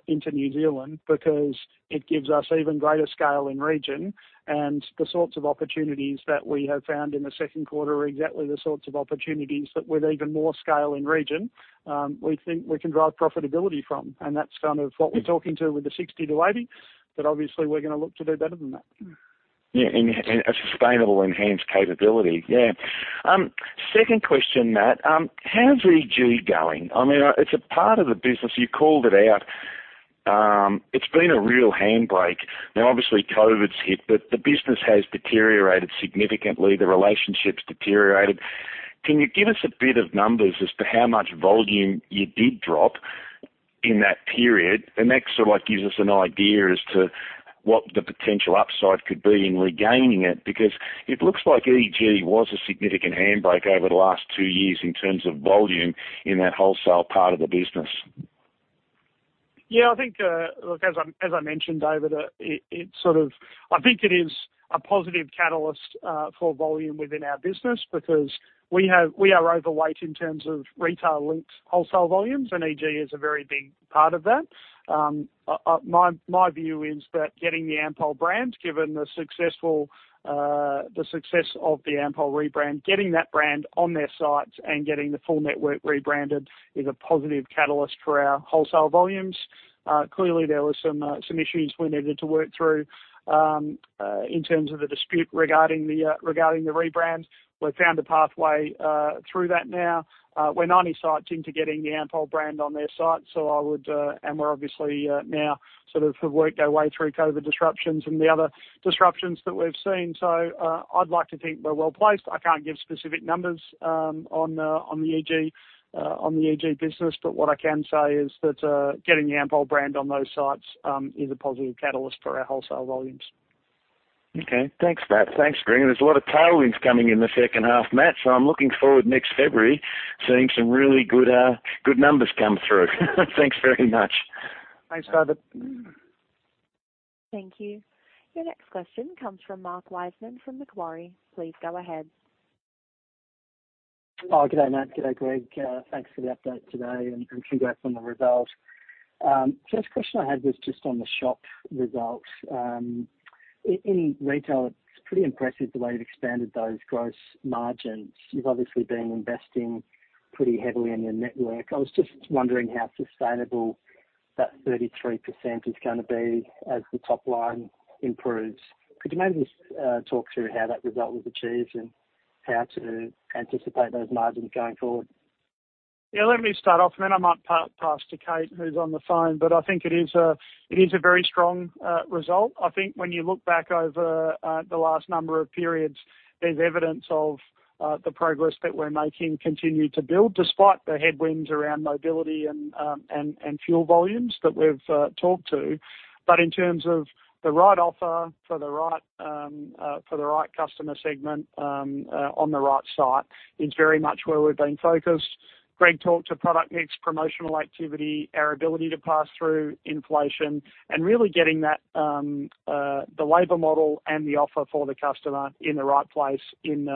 into New Zealand because it gives us even greater scale in region. The sorts of opportunities that we have found in the second quarter are exactly the sorts of opportunities that with even more scale in region we think we can drive profitability from. That's kind of what we're talking to with the 60-80. Obviously we're gonna look to do better than that. Yeah, in a sustainable enhanced capability. Yeah. Second question, Matt. How's EG going? I mean, it's a part of the business. You called it out. It's been a real handbrake. Now, obviously COVID's hit, but the business has deteriorated significantly, the relationship's deteriorated. Can you give us a bit of numbers as to how much volume you did drop in that period? That sort of like gives us an idea as to what the potential upside could be in regaining it, because it looks like EG was a significant handbrake over the last two years in terms of volume in that wholesale part of the business. Yeah, I think, look, as I mentioned, David, it sort of—I think it is a positive catalyst for volume within our business because we are overweight in terms of retail linked wholesale volumes, and EG is a very big part of that. My view is that getting the Ampol brand, given the success of the Ampol rebrand, getting that brand on their sites and getting the full network rebranded is a positive catalyst for our wholesale volumes. Clearly there were some issues we needed to work through in terms of the dispute regarding the rebrand. We've found a pathway through that now. We're 90 sites into getting the Ampol brand on their site. We're obviously now sort of worked our way through COVID disruptions and the other disruptions that we've seen. I'd like to think we're well-placed. I can't give specific numbers on the EG business. What I can say is that getting the Ampol brand on those sites is a positive catalyst for our wholesale volumes. Okay. Thanks, Matt. Thanks, Greg. There's a lot of tailwinds coming in the second half, Matt, so I'm looking forward next February, seeing some really good numbers come through. Thanks very much. Thanks, David. Thank you. Your next question comes from Mark Wiseman from Macquarie. Please go ahead. Oh, g'day, Matt. G'day, Greg. Thanks for the update today and congrats on the results. First question I had was just on the shop results. In retail, it's pretty impressive the way you've expanded those gross margins. You've obviously been investing pretty heavily in your network. I was just wondering how sustainable that 33% is gonna be as the top line improves. Could you maybe just talk through how that result was achieved and how to anticipate those margins going forward? Yeah, let me start off, and then I might pass to Kate, who's on the phone. I think it is a very strong result. I think when you look back over the last number of periods, there's evidence of the progress that we're making continue to build, despite the headwinds around mobility and fuel volumes that we've talked to. In terms of the right offer for the right customer segment on the right site is very much where we've been focused. Greg talked to product mix, promotional activity, our ability to pass through inflation, and really getting that the labor model and the offer for the customer in the right place in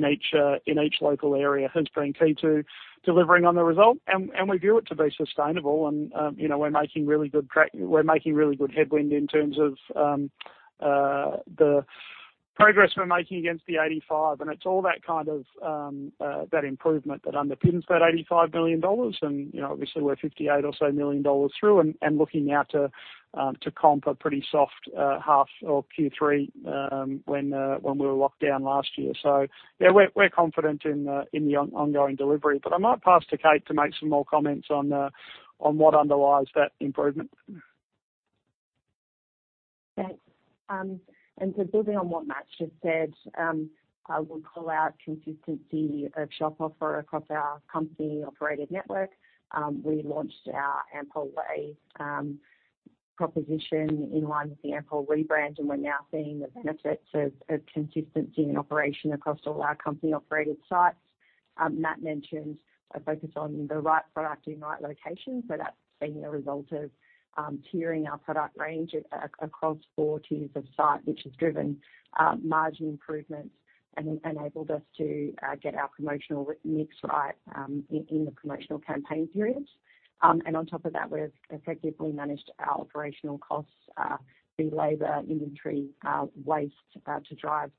each local area has been key to delivering on the result. We view it to be sustainable and, you know, we're making really good headway in terms of the progress we're making against the 85. It's all that kind of improvement that underpins that 85 million dollars. You know, obviously we're 58 million or so through and looking now to comp a pretty soft half or Q3, when we were locked down last year. Yeah, we're confident in the ongoing delivery. I might pass to Kate to make some more comments on what underlies that improvement. Thanks. Building on what Matt's just said, I would call out consistency of shop offer across our company-operated network. We launched our Ampol Way proposition in line with the Ampol rebrand, and we're now seeing the benefits of consistency in operation across all our company-operated sites. Matt mentioned a focus on the right product in the right location, so that's been a result of tiering our product range across four tiers of site, which has driven margin improvements and enabled us to get our promotional mix right in the promotional campaign periods. On top of that, we've effectively managed our operational costs, be it labor, inventory, waste, to drive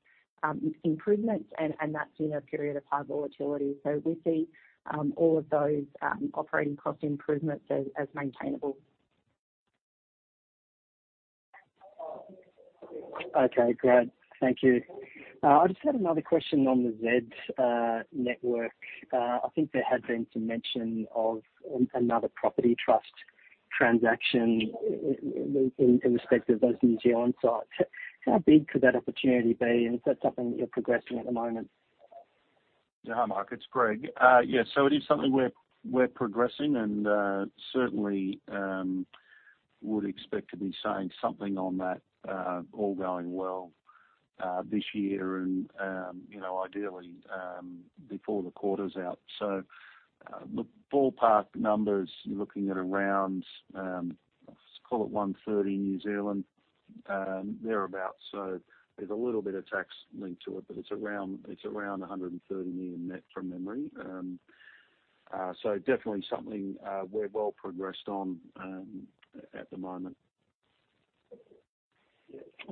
improvements, and that's in a period of high volatility. We see all of those operating cost improvements as maintainable. Okay, great. Thank you. I just had another question on the Z network. I think there had been some mention of another property trust transaction in respect of those EG-owned sites. How big could that opportunity be, and is that something that you're progressing at the moment? Hi, Mark, it's Greg. Yes. It is something we're progressing and certainly would expect to be saying something on that all going well this year and you know ideally before the quarter's out. The ballpark numbers you're looking at around let's call it 130 million thereabout. There's a little bit of tax linked to it, but it's around 130 million net from memory. Definitely something we're well progressed on at the moment.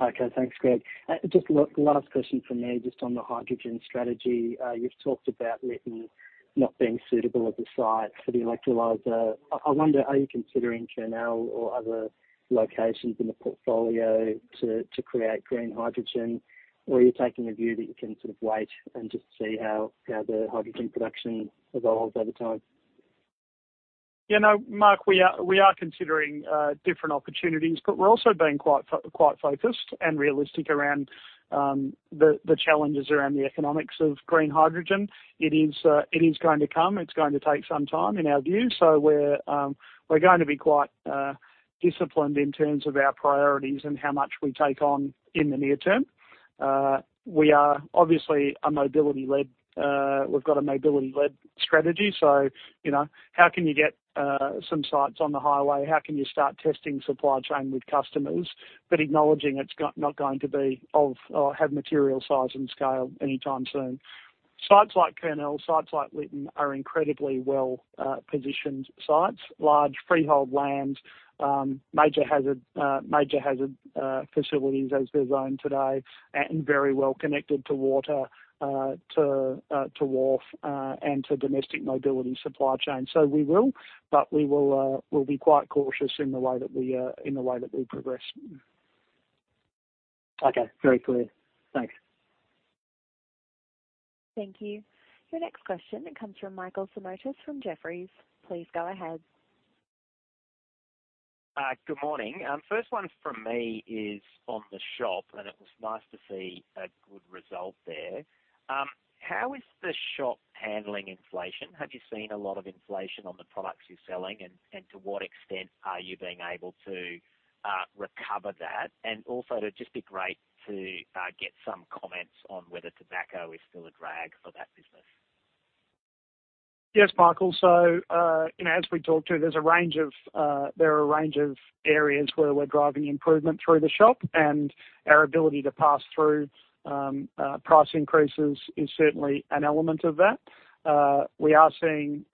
Okay. Thanks, Greg. Just a last question from me just on the hydrogen strategy. You've talked about Lytton not being suitable as a site for the electrolyzer. I wonder, are you considering Kurnell or other locations in the portfolio to create green hydrogen? Or are you taking a view that you can sort of wait and just see how the hydrogen production evolves over time? You know, Mark, we are considering different opportunities, but we're also being quite focused and realistic around the challenges around the economics of green hydrogen. It is going to come. It's going to take some time, in our view. We're going to be quite disciplined in terms of our priorities and how much we take on in the near term. We've got a mobility-led strategy, so you know, how can you get some sites on the highway? How can you start testing supply chain with customers? Acknowledging it's not going to be of or have material size and scale anytime soon. Sites like Kurnell, sites like Lytton are incredibly well positioned sites, large freehold lands, major hazard facilities as they're zoned today and very well connected to water, to wharf, and to domestic mobility supply chain. We'll be quite cautious in the way that we progress. Okay. Very clear. Thanks. Thank you. Your next question comes from Michael Simotas from Jefferies. Please go ahead. Good morning. First one from me is on the shop, and it was nice to see a good result there. How is the shop handling inflation? Have you seen a lot of inflation on the products you're selling? And to what extent are you being able to recover that? And also it'd just be great to get some comments on whether tobacco is still a drag for that business. Yes, Michael. You know, as we talked about, there are a range of areas where we're driving improvement through the shop and our ability to pass through price increases is certainly an element of that. We are seeing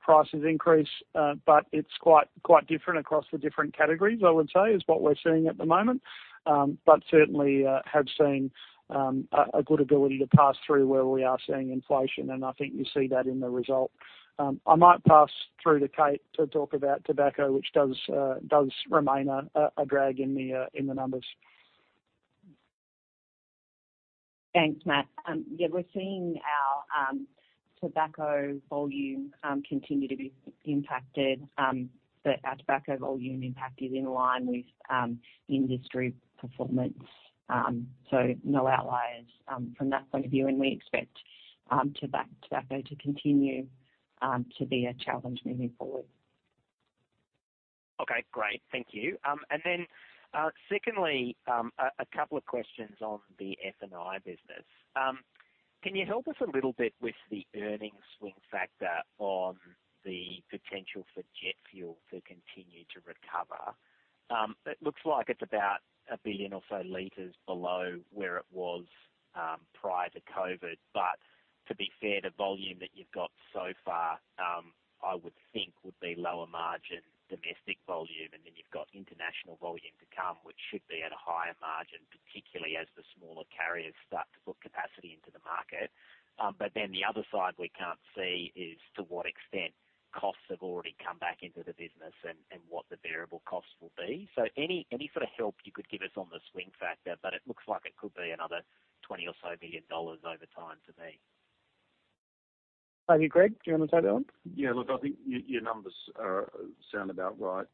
prices increase, but it's quite different across the different categories, I would say, is what we're seeing at the moment. But certainly, have seen a good ability to pass through where we are seeing inflation. I think you see that in the result. I might pass through to Kate to talk about tobacco, which does remain a drag in the numbers. Thanks, Matt. Yeah, we're seeing our tobacco volume continue to be impacted, but our tobacco volume impact is in line with industry performance. No outliers from that point of view, and we expect tobacco to continue to be a challenge moving forward. Okay, great. Thank you. Secondly, a couple of questions on the FNI business. Can you help us a little bit with the earnings swing factor on the potential for jet fuel to continue to recover? It looks like it's about 1 billion or so liters below where it was prior to COVID. To be fair, the volume that you've got so far I would think would be lower margin domestic volume, and then you've got international volume to come, which should be at a higher margin, particularly as the smaller carriers start to book capacity into the market. The other side we can't see is to what extent costs have already come back into the business and what the variable costs will be. Any sort of help you could give us on the swing factor, but it looks like it could be another 20 billion or so over time for me. Over to you, Greg. Do you wanna take that one? Yeah. Look, I think your numbers sound about right,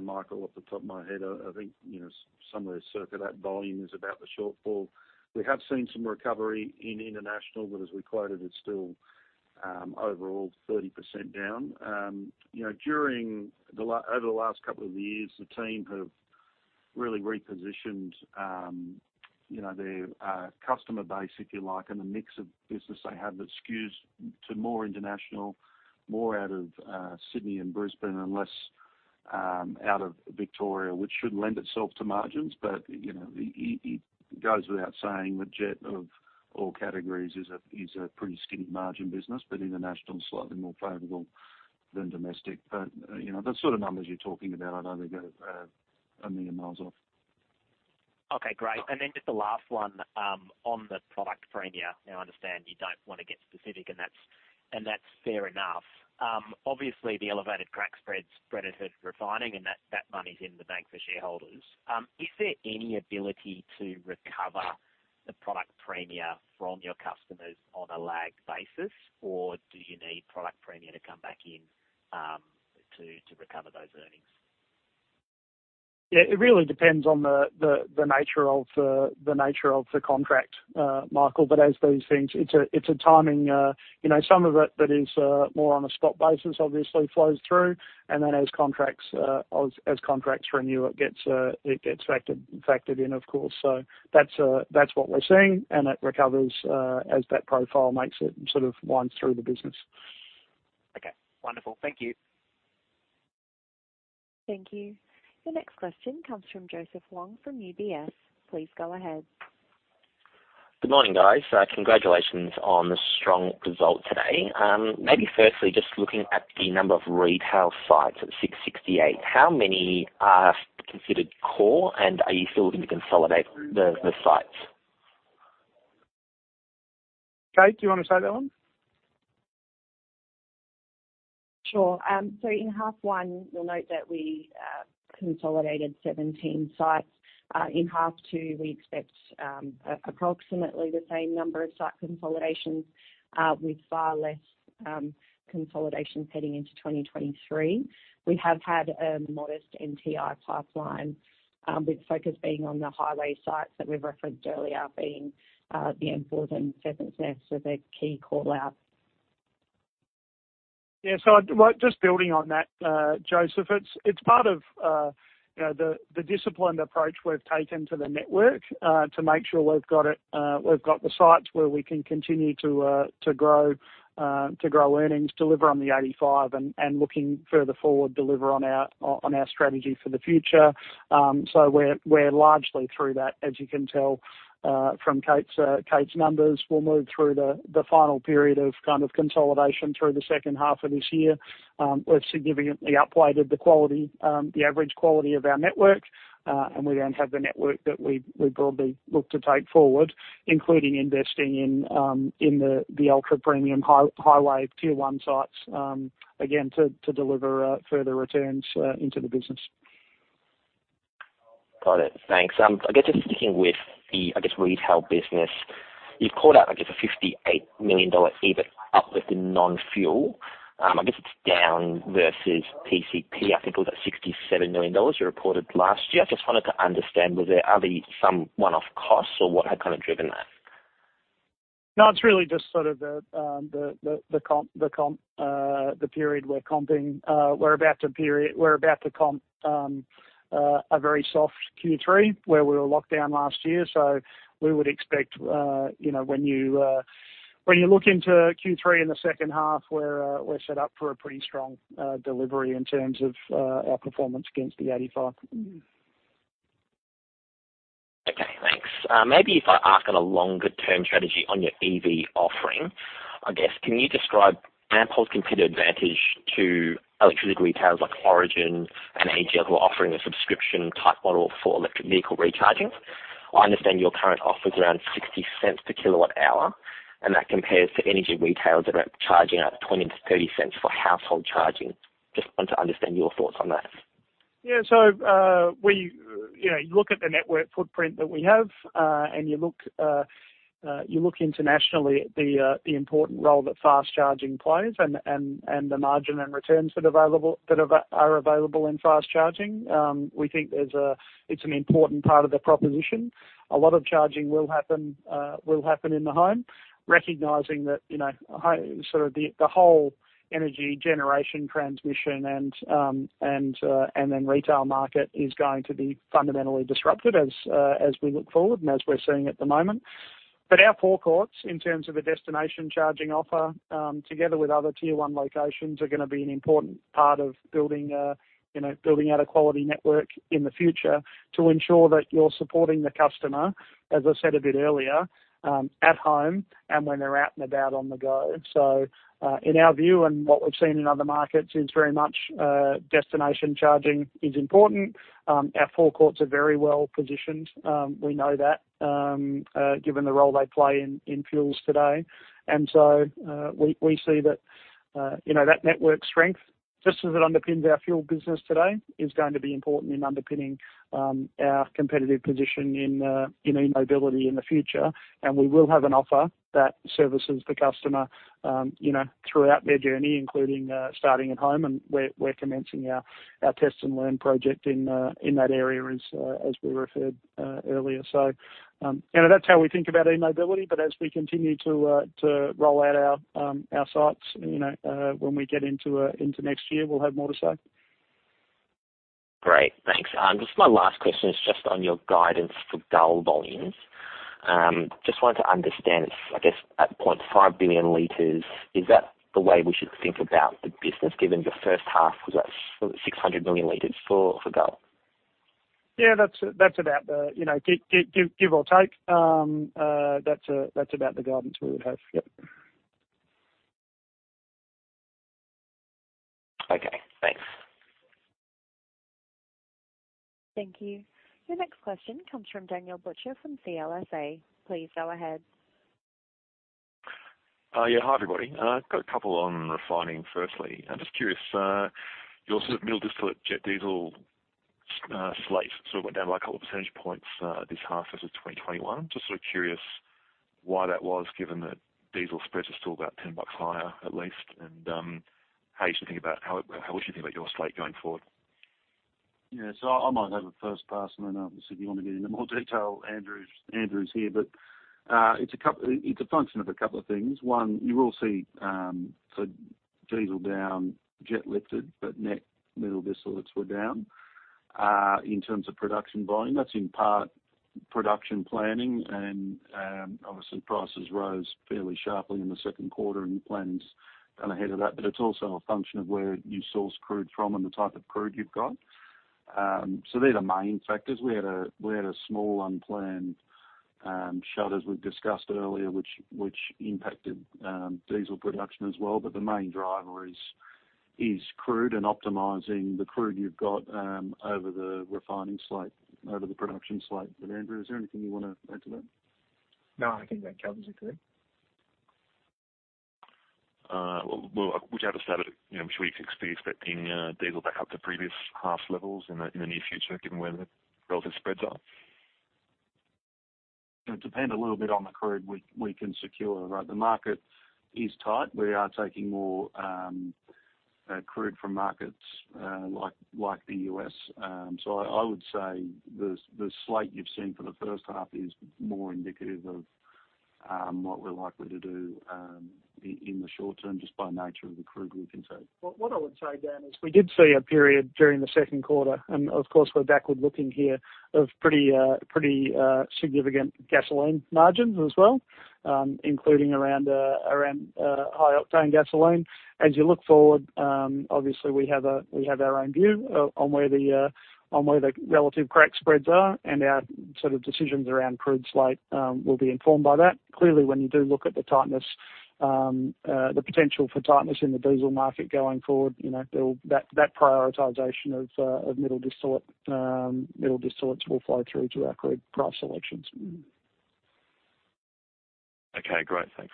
Michael, off the top of my head. I think you know, somewhere circa that volume is about the shortfall. We have seen some recovery in international, but as we quoted, it's still overall 30% down. You know, over the last couple of years, the team have really repositioned their customer base, if you like, and the mix of business they have that skews to more international, more out of Sydney and Brisbane and less out of Victoria, which should lend itself to margins. You know, it goes without saying that jet of all categories is a pretty skinny margin business, but international is slightly more favorable than domestic. You know, the sort of numbers you're talking about I don't think are a million miles off. Okay, great. Just the last one on the product premia. Now, I understand you don't wanna get specific, and that's fair enough. Obviously, the elevated crack spread's benefited refining and that money's in the bank for shareholders. Is there any ability to recover the product premia from your customers on a lagged basis, or do you need product premia to come back in to recover those earnings? Yeah, it really depends on the nature of the contract, Michael. As these things, it's a timing, you know, some of it that is more on a spot basis obviously flows through. Then as contracts renew, it gets factored in, of course. That's what we're seeing, and it recovers as that profile makes it sort of winds through the business. Okay. Wonderful. Thank you. Thank you. The next question comes from Joseph Wong from UBS. Please go ahead. Good morning, guys. Congratulations on the strong result today. Maybe firstly, just looking at the number of retail sites at 668, how many are considered core, and are you still looking to consolidate the sites? Kate, do you wanna take that one? Sure. In half one, you'll note that we consolidated 17 sites. In half two, we expect approximately the same number of site consolidations, with far less consolidation heading into 2023. We have had a modest NTI pipeline, with focus being on the highway sites that we've referenced earlier being the M5 and Seven Hills. They're key call-out. Well, just building on that, Joseph, it's part of you know the disciplined approach we've taken to the network to make sure we've got the sites where we can continue to grow earnings, deliver on the 85, and looking further forward, deliver on our strategy for the future. We're largely through that, as you can tell from Kate's numbers. We'll move through the final period of kind of consolidation through the second half of this year. We've significantly upweighted the quality, the average quality of our network, and we then have the network that we broadly look to take forward, including investing in the ultra premium highway tier one sites, again, to deliver further returns into the business. Got it. Thanks. I guess just sticking with the, I guess, retail business, you've called out, I guess an 58 million dollar EBIT uplift in non-fuel. I guess it's down versus PCP. I think it was at 67 million dollars you reported last year. I just wanted to understand, are there some one-off costs or what had kind of driven that? No, it's really just sort of the comp period we're comping. We're about to comp a very soft Q3 where we were locked down last year. We would expect, you know, when you look into Q3 in the second half, we're set up for a pretty strong delivery in terms of our performance against the 85. Okay, thanks. Maybe if I ask on a longer-term strategy on your EV offering, I guess can you describe Ampol's competitive advantage to electricity retailers like Origin and AGL who are offering a subscription type model for electric vehicle recharging? I understand your current offer is around 0.60 per kWh, and that compares to energy retailers that are charging at 0.20-0.30 for household charging. Just want to understand your thoughts on that. Yeah. You know, you look at the network footprint that we have, and you look internationally at the important role that fast charging plays and the margin and returns that are available in fast charging. We think it's an important part of the proposition. A lot of charging will happen in the home, recognizing that, you know, sort of the whole energy generation transmission and then retail market is going to be fundamentally disrupted as we look forward and as we're seeing at the moment. Our forecourts in terms of a destination charging offer, together with other tier one locations, are gonna be an important part of building, you know, building out a quality network in the future to ensure that you're supporting the customer, as I said a bit earlier, at home and when they're out and about on the go. In our view and what we've seen in other markets is very much, destination charging is important. Our forecourts are very well positioned, we know that, given the role they play in fuels today. We see that, you know, that network strength, just as it underpins our fuel business today, is going to be important in underpinning, our competitive position in e-mobility in the future. We will have an offer that services the customer, you know, throughout their journey, including starting at home. We're commencing our test-and-learn project in that area as we referred earlier. You know, that's how we think about e-mobility. As we continue to roll out our sites, you know, when we get into next year, we'll have more to say. Great. Thanks. Just my last question is just on your guidance for Gull volumes. Just wanted to understand, I guess at 0.5 billion liters, is that the way we should think about the business given the first half was at 600 million liters for Gull? Yeah, you know, give or take, that's about the guidance we would have. Yep. Okay, thanks. Thank you. Your next question comes from Daniel Butcher from CLSA. Please go ahead. Hi, everybody. Got a couple on refining firstly. I'm just curious, your sort of middle distillate jet diesel slate sort of went down by a couple percentage points, this half as of 2021. Just sort of curious why that was given that diesel spreads is still about $10 higher, at least. How would you think about your slate going forward? I might have a first pass and then, obviously, if you want to get into more detail, Andrew's here. It's a function of a couple of things. One, you will see, so diesel down, jet lifted, but net middle distillates were down, in terms of production volume. That's in part production planning and, obviously prices rose fairly sharply in the second quarter and your plans got ahead of that. It's also a function of where you source crude from and the type of crude you've got. They're the main factors. We had a small unplanned shutdowns we've discussed earlier, which impacted diesel production as well. The main driver is crude and optimizing the crude you've got, over the refining slate, over the production slate. Andrew, is there anything you wanna add to that? No, I think that covers it good. Well, you know, should we expect diesel back up to previous half levels in the near future, given where the relative spreads are? It'll depend a little bit on the crude we can secure, right? The market is tight. We are taking more crude from markets like the US. I would say the slate you've seen for the first half is more indicative of what we're likely to do in the short term, just by nature of the crude we can take. What I would say, Dan, is we did see a period during the second quarter, and of course, we're backward-looking here, of pretty significant gasoline margins as well, including around high octane gasoline. As you look forward, obviously we have our own view on where the relative crack spreads are, and our sort of decisions around crude slate will be informed by that. Clearly, when you do look at the tightness, the potential for tightness in the diesel market going forward, you know, there will. That prioritization of middle distillates will flow through to our crude slate selections. Okay, great. Thanks.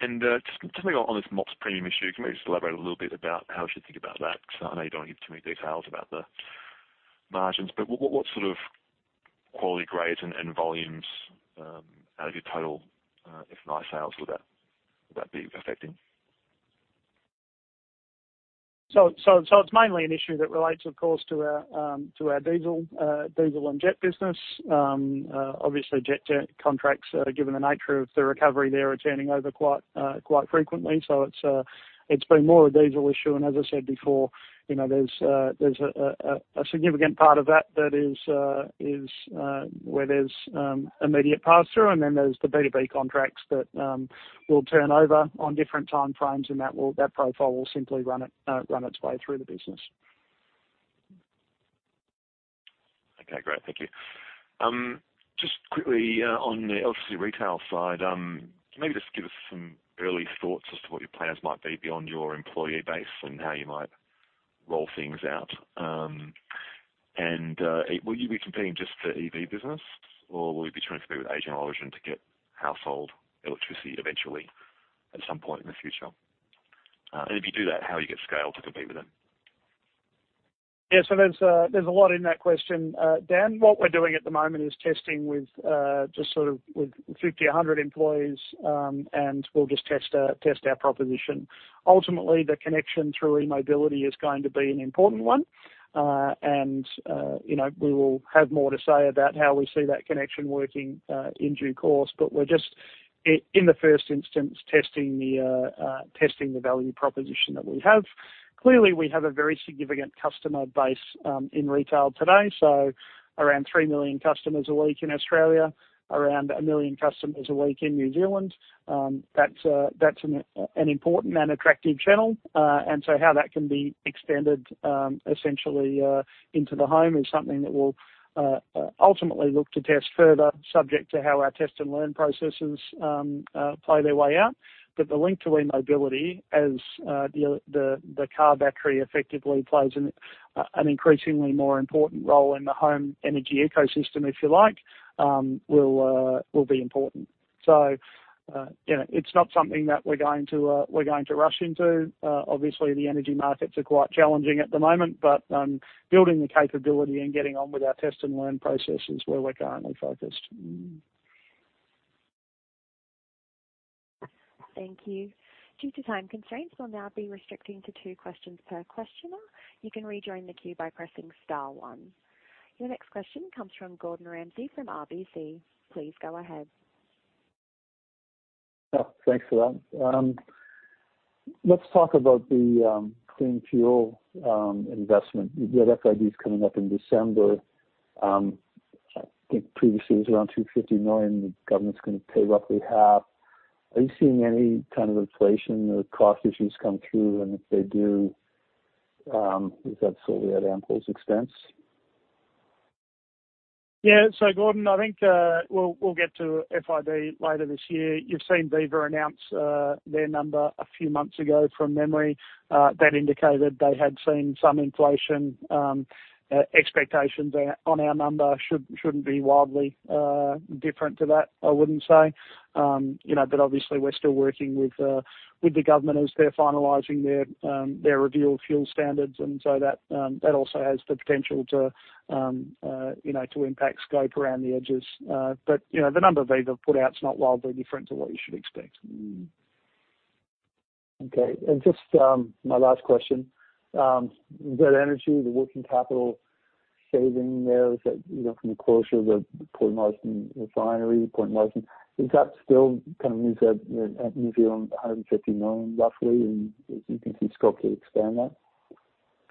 Just something on this MOPS premium issue. Can you maybe just elaborate a little bit about how we should think about that? Because I know you don't wanna give too many details about the margins, but what sort of quality grades and volumes out of your total FNI sales would that be affecting? It's mainly an issue that relates, of course, to our diesel and jet business. Obviously jet contracts, given the nature of the recovery there, are turning over quite frequently. It's been more a diesel issue. As I said before, you know, there's a significant part of that that is where there's immediate pass-through, and then there's the B2B contracts that will turn over on different time frames, and that profile will simply run its way through the business. Okay, great. Thank you. Just quickly, on the electricity retail side, can you maybe just give us some early thoughts as to what your plans might be beyond your employee base and how you might roll things out? Will you be competing just for EV business, or will you be trying to compete with AGL and Origin to get household electricity eventually at some point in the future? If you do that, how you get scale to compete with them? Yeah. There's a lot in that question, Dan. What we're doing at the moment is testing with just sort of with 50, 100 employees, and we'll just test our proposition. Ultimately, the connection through e-mobility is going to be an important one. You know, we will have more to say about how we see that connection working in due course, but we're just in the first instance, testing the value proposition that we have. Clearly, we have a very significant customer base in retail today, so around 3 million customers a week in Australia, around 1 million customers a week in New Zealand. That's an important and attractive channel. How that can be extended, essentially, into the home is something that we'll ultimately look to test further subject to how our test and learn processes play their way out. The link to e-mobility as the car battery effectively plays an increasingly more important role in the home energy ecosystem, if you like, will be important. You know, it's not something that we're going to rush into. Obviously, the energy markets are quite challenging at the moment, but building the capability and getting on with our test and learn process is where we're currently focused. Thank you. Due to time constraints, we'll now be restricting to two questions per questioner. You can rejoin the queue by pressing star one. Your next question comes from Gordon Ramsay from RBC. Please go ahead. Yeah, thanks for that. Let's talk about the cleaner fuel investment. You've got FIDs coming up in December. I think previously it was around 250 million. The government's gonna pay roughly half. Are you seeing any kind of inflation or cost issues come through? If they do, is that solely at Ampol's expense? Yeah. Gordon, I think we'll get to FID later this year. You've seen Viva announce their number a few months ago from memory that indicated they had seen some inflation. Expectations on our number shouldn't be wildly different to that, I wouldn't say. You know, but obviously we're still working with the government as they're finalizing their review of fuel standards. That also has the potential to, you know, to impact scope around the edges. But you know, the number Viva put out is not wildly different to what you should expect. Okay. Just my last question. That energy, the working capital saving there is that, you know, from the closure of the Marsden Point refinery. Is that still kind of New Zealand, 150 million, roughly? You think you scope to expand that?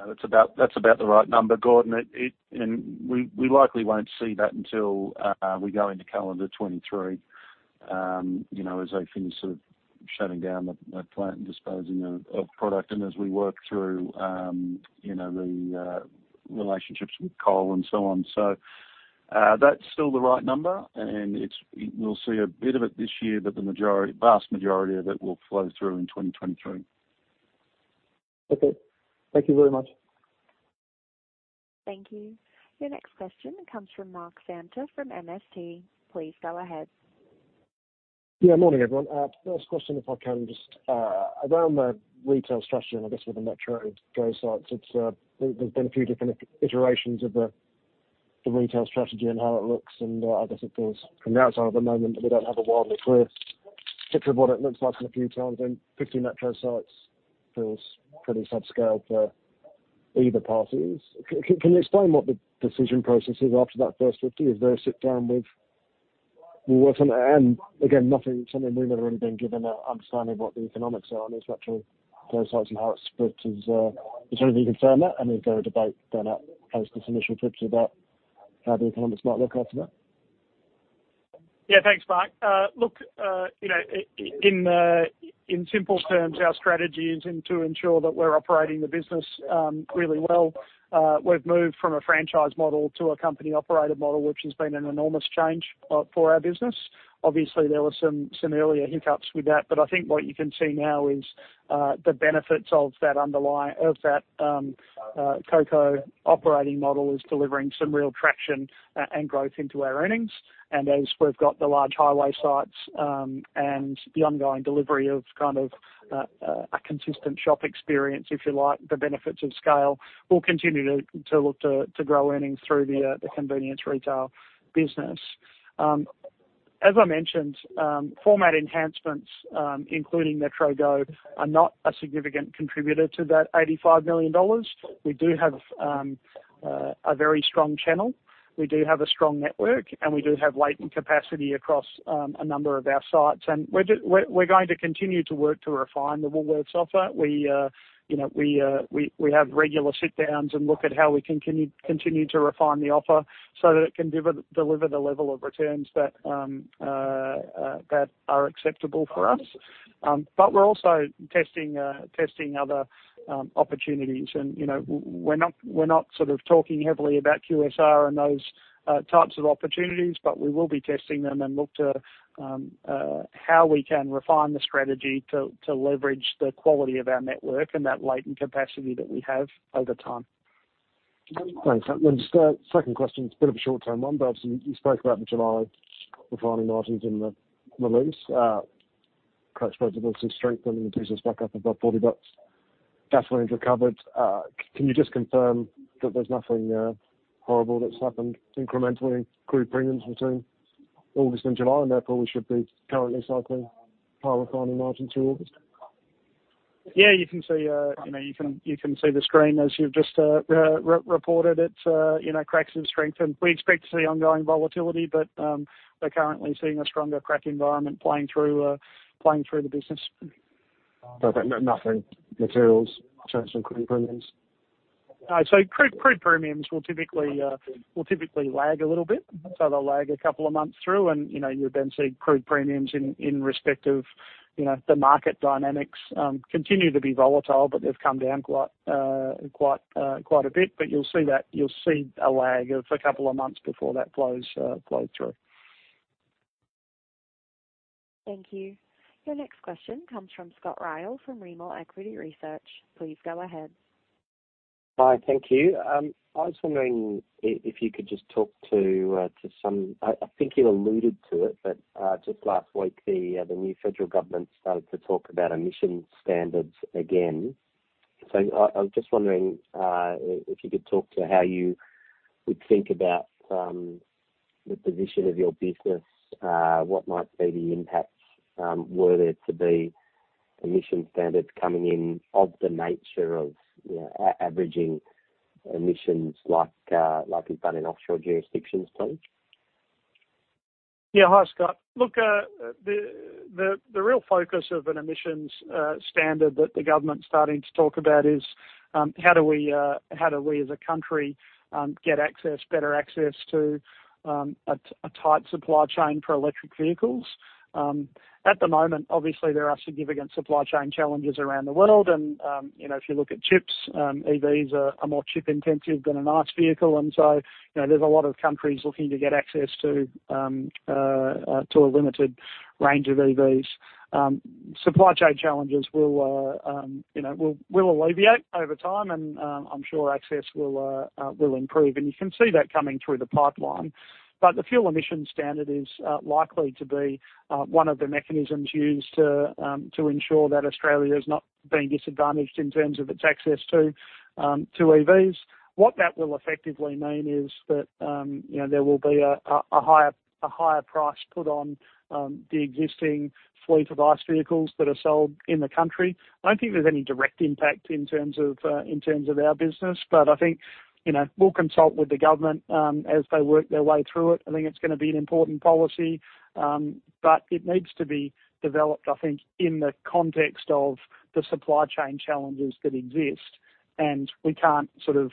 That's about the right number, Gordon. We likely won't see that until we go into calendar 2023, you know, as they finish sort of shutting down the plant and disposing of product and as we work through, you know, the relationships with coal and so on. That's still the right number, and we'll see a bit of it this year, but the majority, vast majority of it will flow through in 2023. Okay. Thank you very much. Thank you. Your next question comes from Mark Samter from MST. Please go ahead. Yeah, morning, everyone. First question, if I can just around the retail structure and I guess with the MetroGo sites, it's, there's been a few different iterations of the retail strategy and how it looks, and I guess it feels from the outside at the moment that we don't have a wholly clear picture of what it looks like in a few times. 50 MetroGo sites feels pretty subscale for either party. Can you explain what the decision process is after that first 50? Is there a sit down with and again, nothing, something we've never really been given an understanding of what the economics are on these MetroGo sites and how it's split? Is there anything you can confirm that? Is there a debate going on post this initial pilot about how the economics might look after that? Yeah, thanks, Mark. Look, you know, in simple terms, our strategy is and to ensure that we're operating the business really well. We've moved from a franchise model to a company operator model, which has been an enormous change for our business. Obviously, there were some earlier hiccups with that, but I think what you can see now is the benefits of that COCO operating model is delivering some real traction and growth into our earnings. As we've got the large highway sites and the ongoing delivery of kind of a consistent shop experience, if you like, the benefits of scale, we'll continue to look to grow earnings through the Convenience Retail business. As I mentioned, format enhancements, including MetroGo, are not a significant contributor to that 85 million dollars. We do have a very strong channel, we do have a strong network, and we do have latent capacity across a number of our sites. We're going to continue to work to refine the Woolworths offer. We, you know, we have regular sit downs and look at how we can continue to refine the offer so that it can deliver the level of returns that are acceptable for us. We're also testing other opportunities. You know, we're not sort of talking heavily about QSR and those types of opportunities, but we will be testing them and look to how we can refine the strategy to leverage the quality of our network and that latent capacity that we have over time. Thanks. Then just a second question. It's a bit of a short-term one, but obviously you spoke about the July refining margins in the release. Crack spreads obviously strengthening, diesel's back up above $40. Gasoline's recovered. Can you just confirm that there's nothing horrible that's happened incrementally? Crude premiums between August and July and April, we should be currently cycling higher refining margin to August. Yeah, you can see, you know, you can see the screen as you've just re-reported it, you know, cracks have strengthened. We expect to see ongoing volatility, but we're currently seeing a stronger crack environment playing through the business. Perfect. Nothing material in terms of crude premiums. Crude premiums will typically lag a little bit. They'll lag a couple of months through and, you know, you then see crude premiums in respect of, you know, the market dynamics continue to be volatile, but they've come down quite a bit. You'll see that you'll see a lag of a couple of months before that flow through. Thank you. Your next question comes from Scott Ryall from Rimor Equity Research. Please go ahead. Hi. Thank you. I was wondering if you could just talk to some. I think you alluded to it, but just last week, the new federal government started to talk about emission standards again. I was just wondering if you could talk to how you would think about the position of your business, what might be the impacts, were there to be emission standards coming in of the nature of, you know, averaging emissions like is done in offshore jurisdictions, please? Yeah. Hi, Scott. Look, the real focus of an emissions standard that the government's starting to talk about is how do we as a country get better access to a tight supply chain for electric vehicles. At the moment, obviously there are significant supply chain challenges around the world and you know, if you look at chips, EVs are more chip intensive than an ICE vehicle. You know, there's a lot of countries looking to get access to a limited range of EVs. Supply chain challenges will alleviate over time and I'm sure access will improve. You can see that coming through the pipeline. The fuel emissions standard is likely to be one of the mechanisms used to ensure that Australia is not being disadvantaged in terms of its access to EVs. What that will effectively mean is that, you know, there will be a higher price put on the existing fleet of ICE vehicles that are sold in the country. I don't think there's any direct impact in terms of our business, but I think, you know, we'll consult with the government as they work their way through it. I think it's gonna be an important policy, but it needs to be developed, I think, in the context of the supply chain challenges that exist. We can't sort of,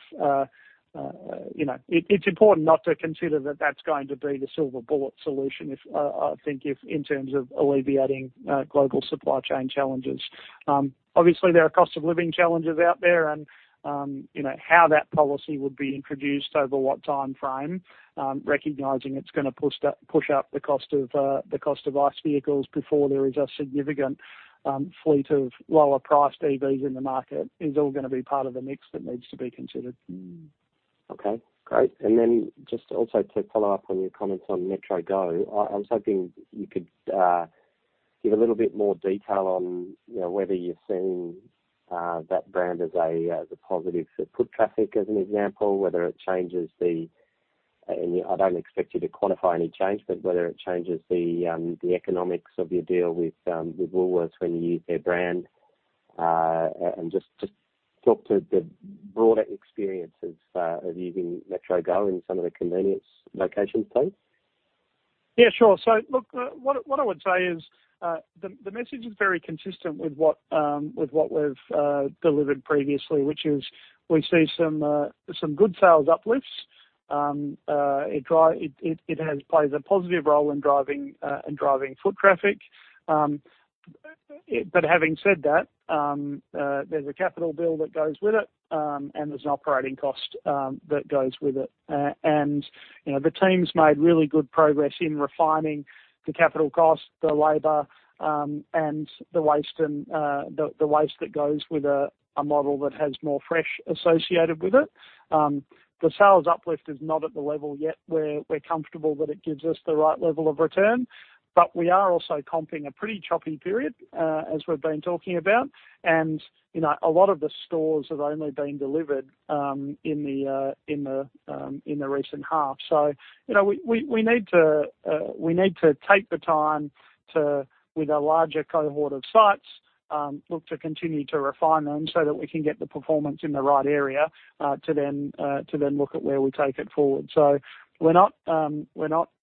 you know. It's important not to consider that that's going to be the silver bullet solution, if I think if in terms of alleviating global supply chain challenges. Obviously there are cost of living challenges out there and, you know, how that policy would be introduced over what timeframe, recognizing it's gonna push up the cost of ICE vehicles before there is a significant fleet of lower-priced EVs in the market is all gonna be part of the mix that needs to be considered. Okay, great. Just also to follow up on your comments on MetroGo, I was hoping you could give a little bit more detail on, you know, whether you're seeing that brand as a positive for foot traffic as an example, whether it changes and yeah, I don't expect you to quantify any change, but whether it changes the economics of your deal with Woolworths when you use their brand. Just talk to the broader experiences of using MetroGo in some of the convenience locations, please. Yeah, sure. Look, what I would say is the message is very consistent with what we've delivered previously, which is we see some good sales uplifts. It has played a positive role in driving foot traffic. Having said that, there's a capital bill that goes with it, and there's an operating cost that goes with it. You know, the team's made really good progress in refining the capital cost, the labor, and the waste that goes with a model that has more fresh associated with it. The sales uplift is not at the level yet where we're comfortable that it gives us the right level of return, but we are also comping a pretty choppy period, as we've been talking about. You know, a lot of the stores have only been delivered in the recent half. You know, we need to take the time, with a larger cohort of sites, to look to continue to refine them so that we can get the performance in the right area, to then look at where we take it forward. We're not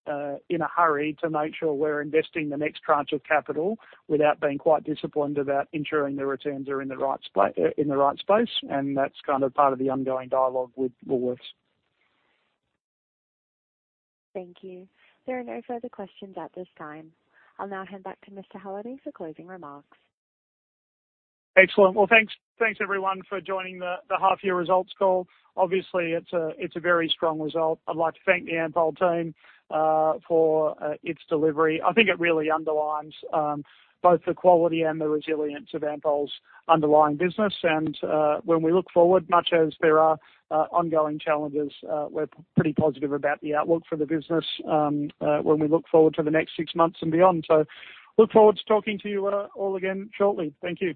in a hurry to make sure we're investing the next tranche of capital without being quite disciplined about ensuring the returns are in the right space, and that's kind of part of the ongoing dialogue with Woolworths. Thank you. There are no further questions at this time. I'll now hand back to Mr. Halliday for closing remarks. Excellent. Well, thanks everyone for joining the half year results call. Obviously, it's a very strong result. I'd like to thank the Ampol team for its delivery. I think it really underlines both the quality and the resilience of Ampol's underlying business, and when we look forward, much as there are ongoing challenges, we're pretty positive about the outlook for the business when we look forward to the next six months and beyond. Look forward to talking to you all again shortly. Thank you.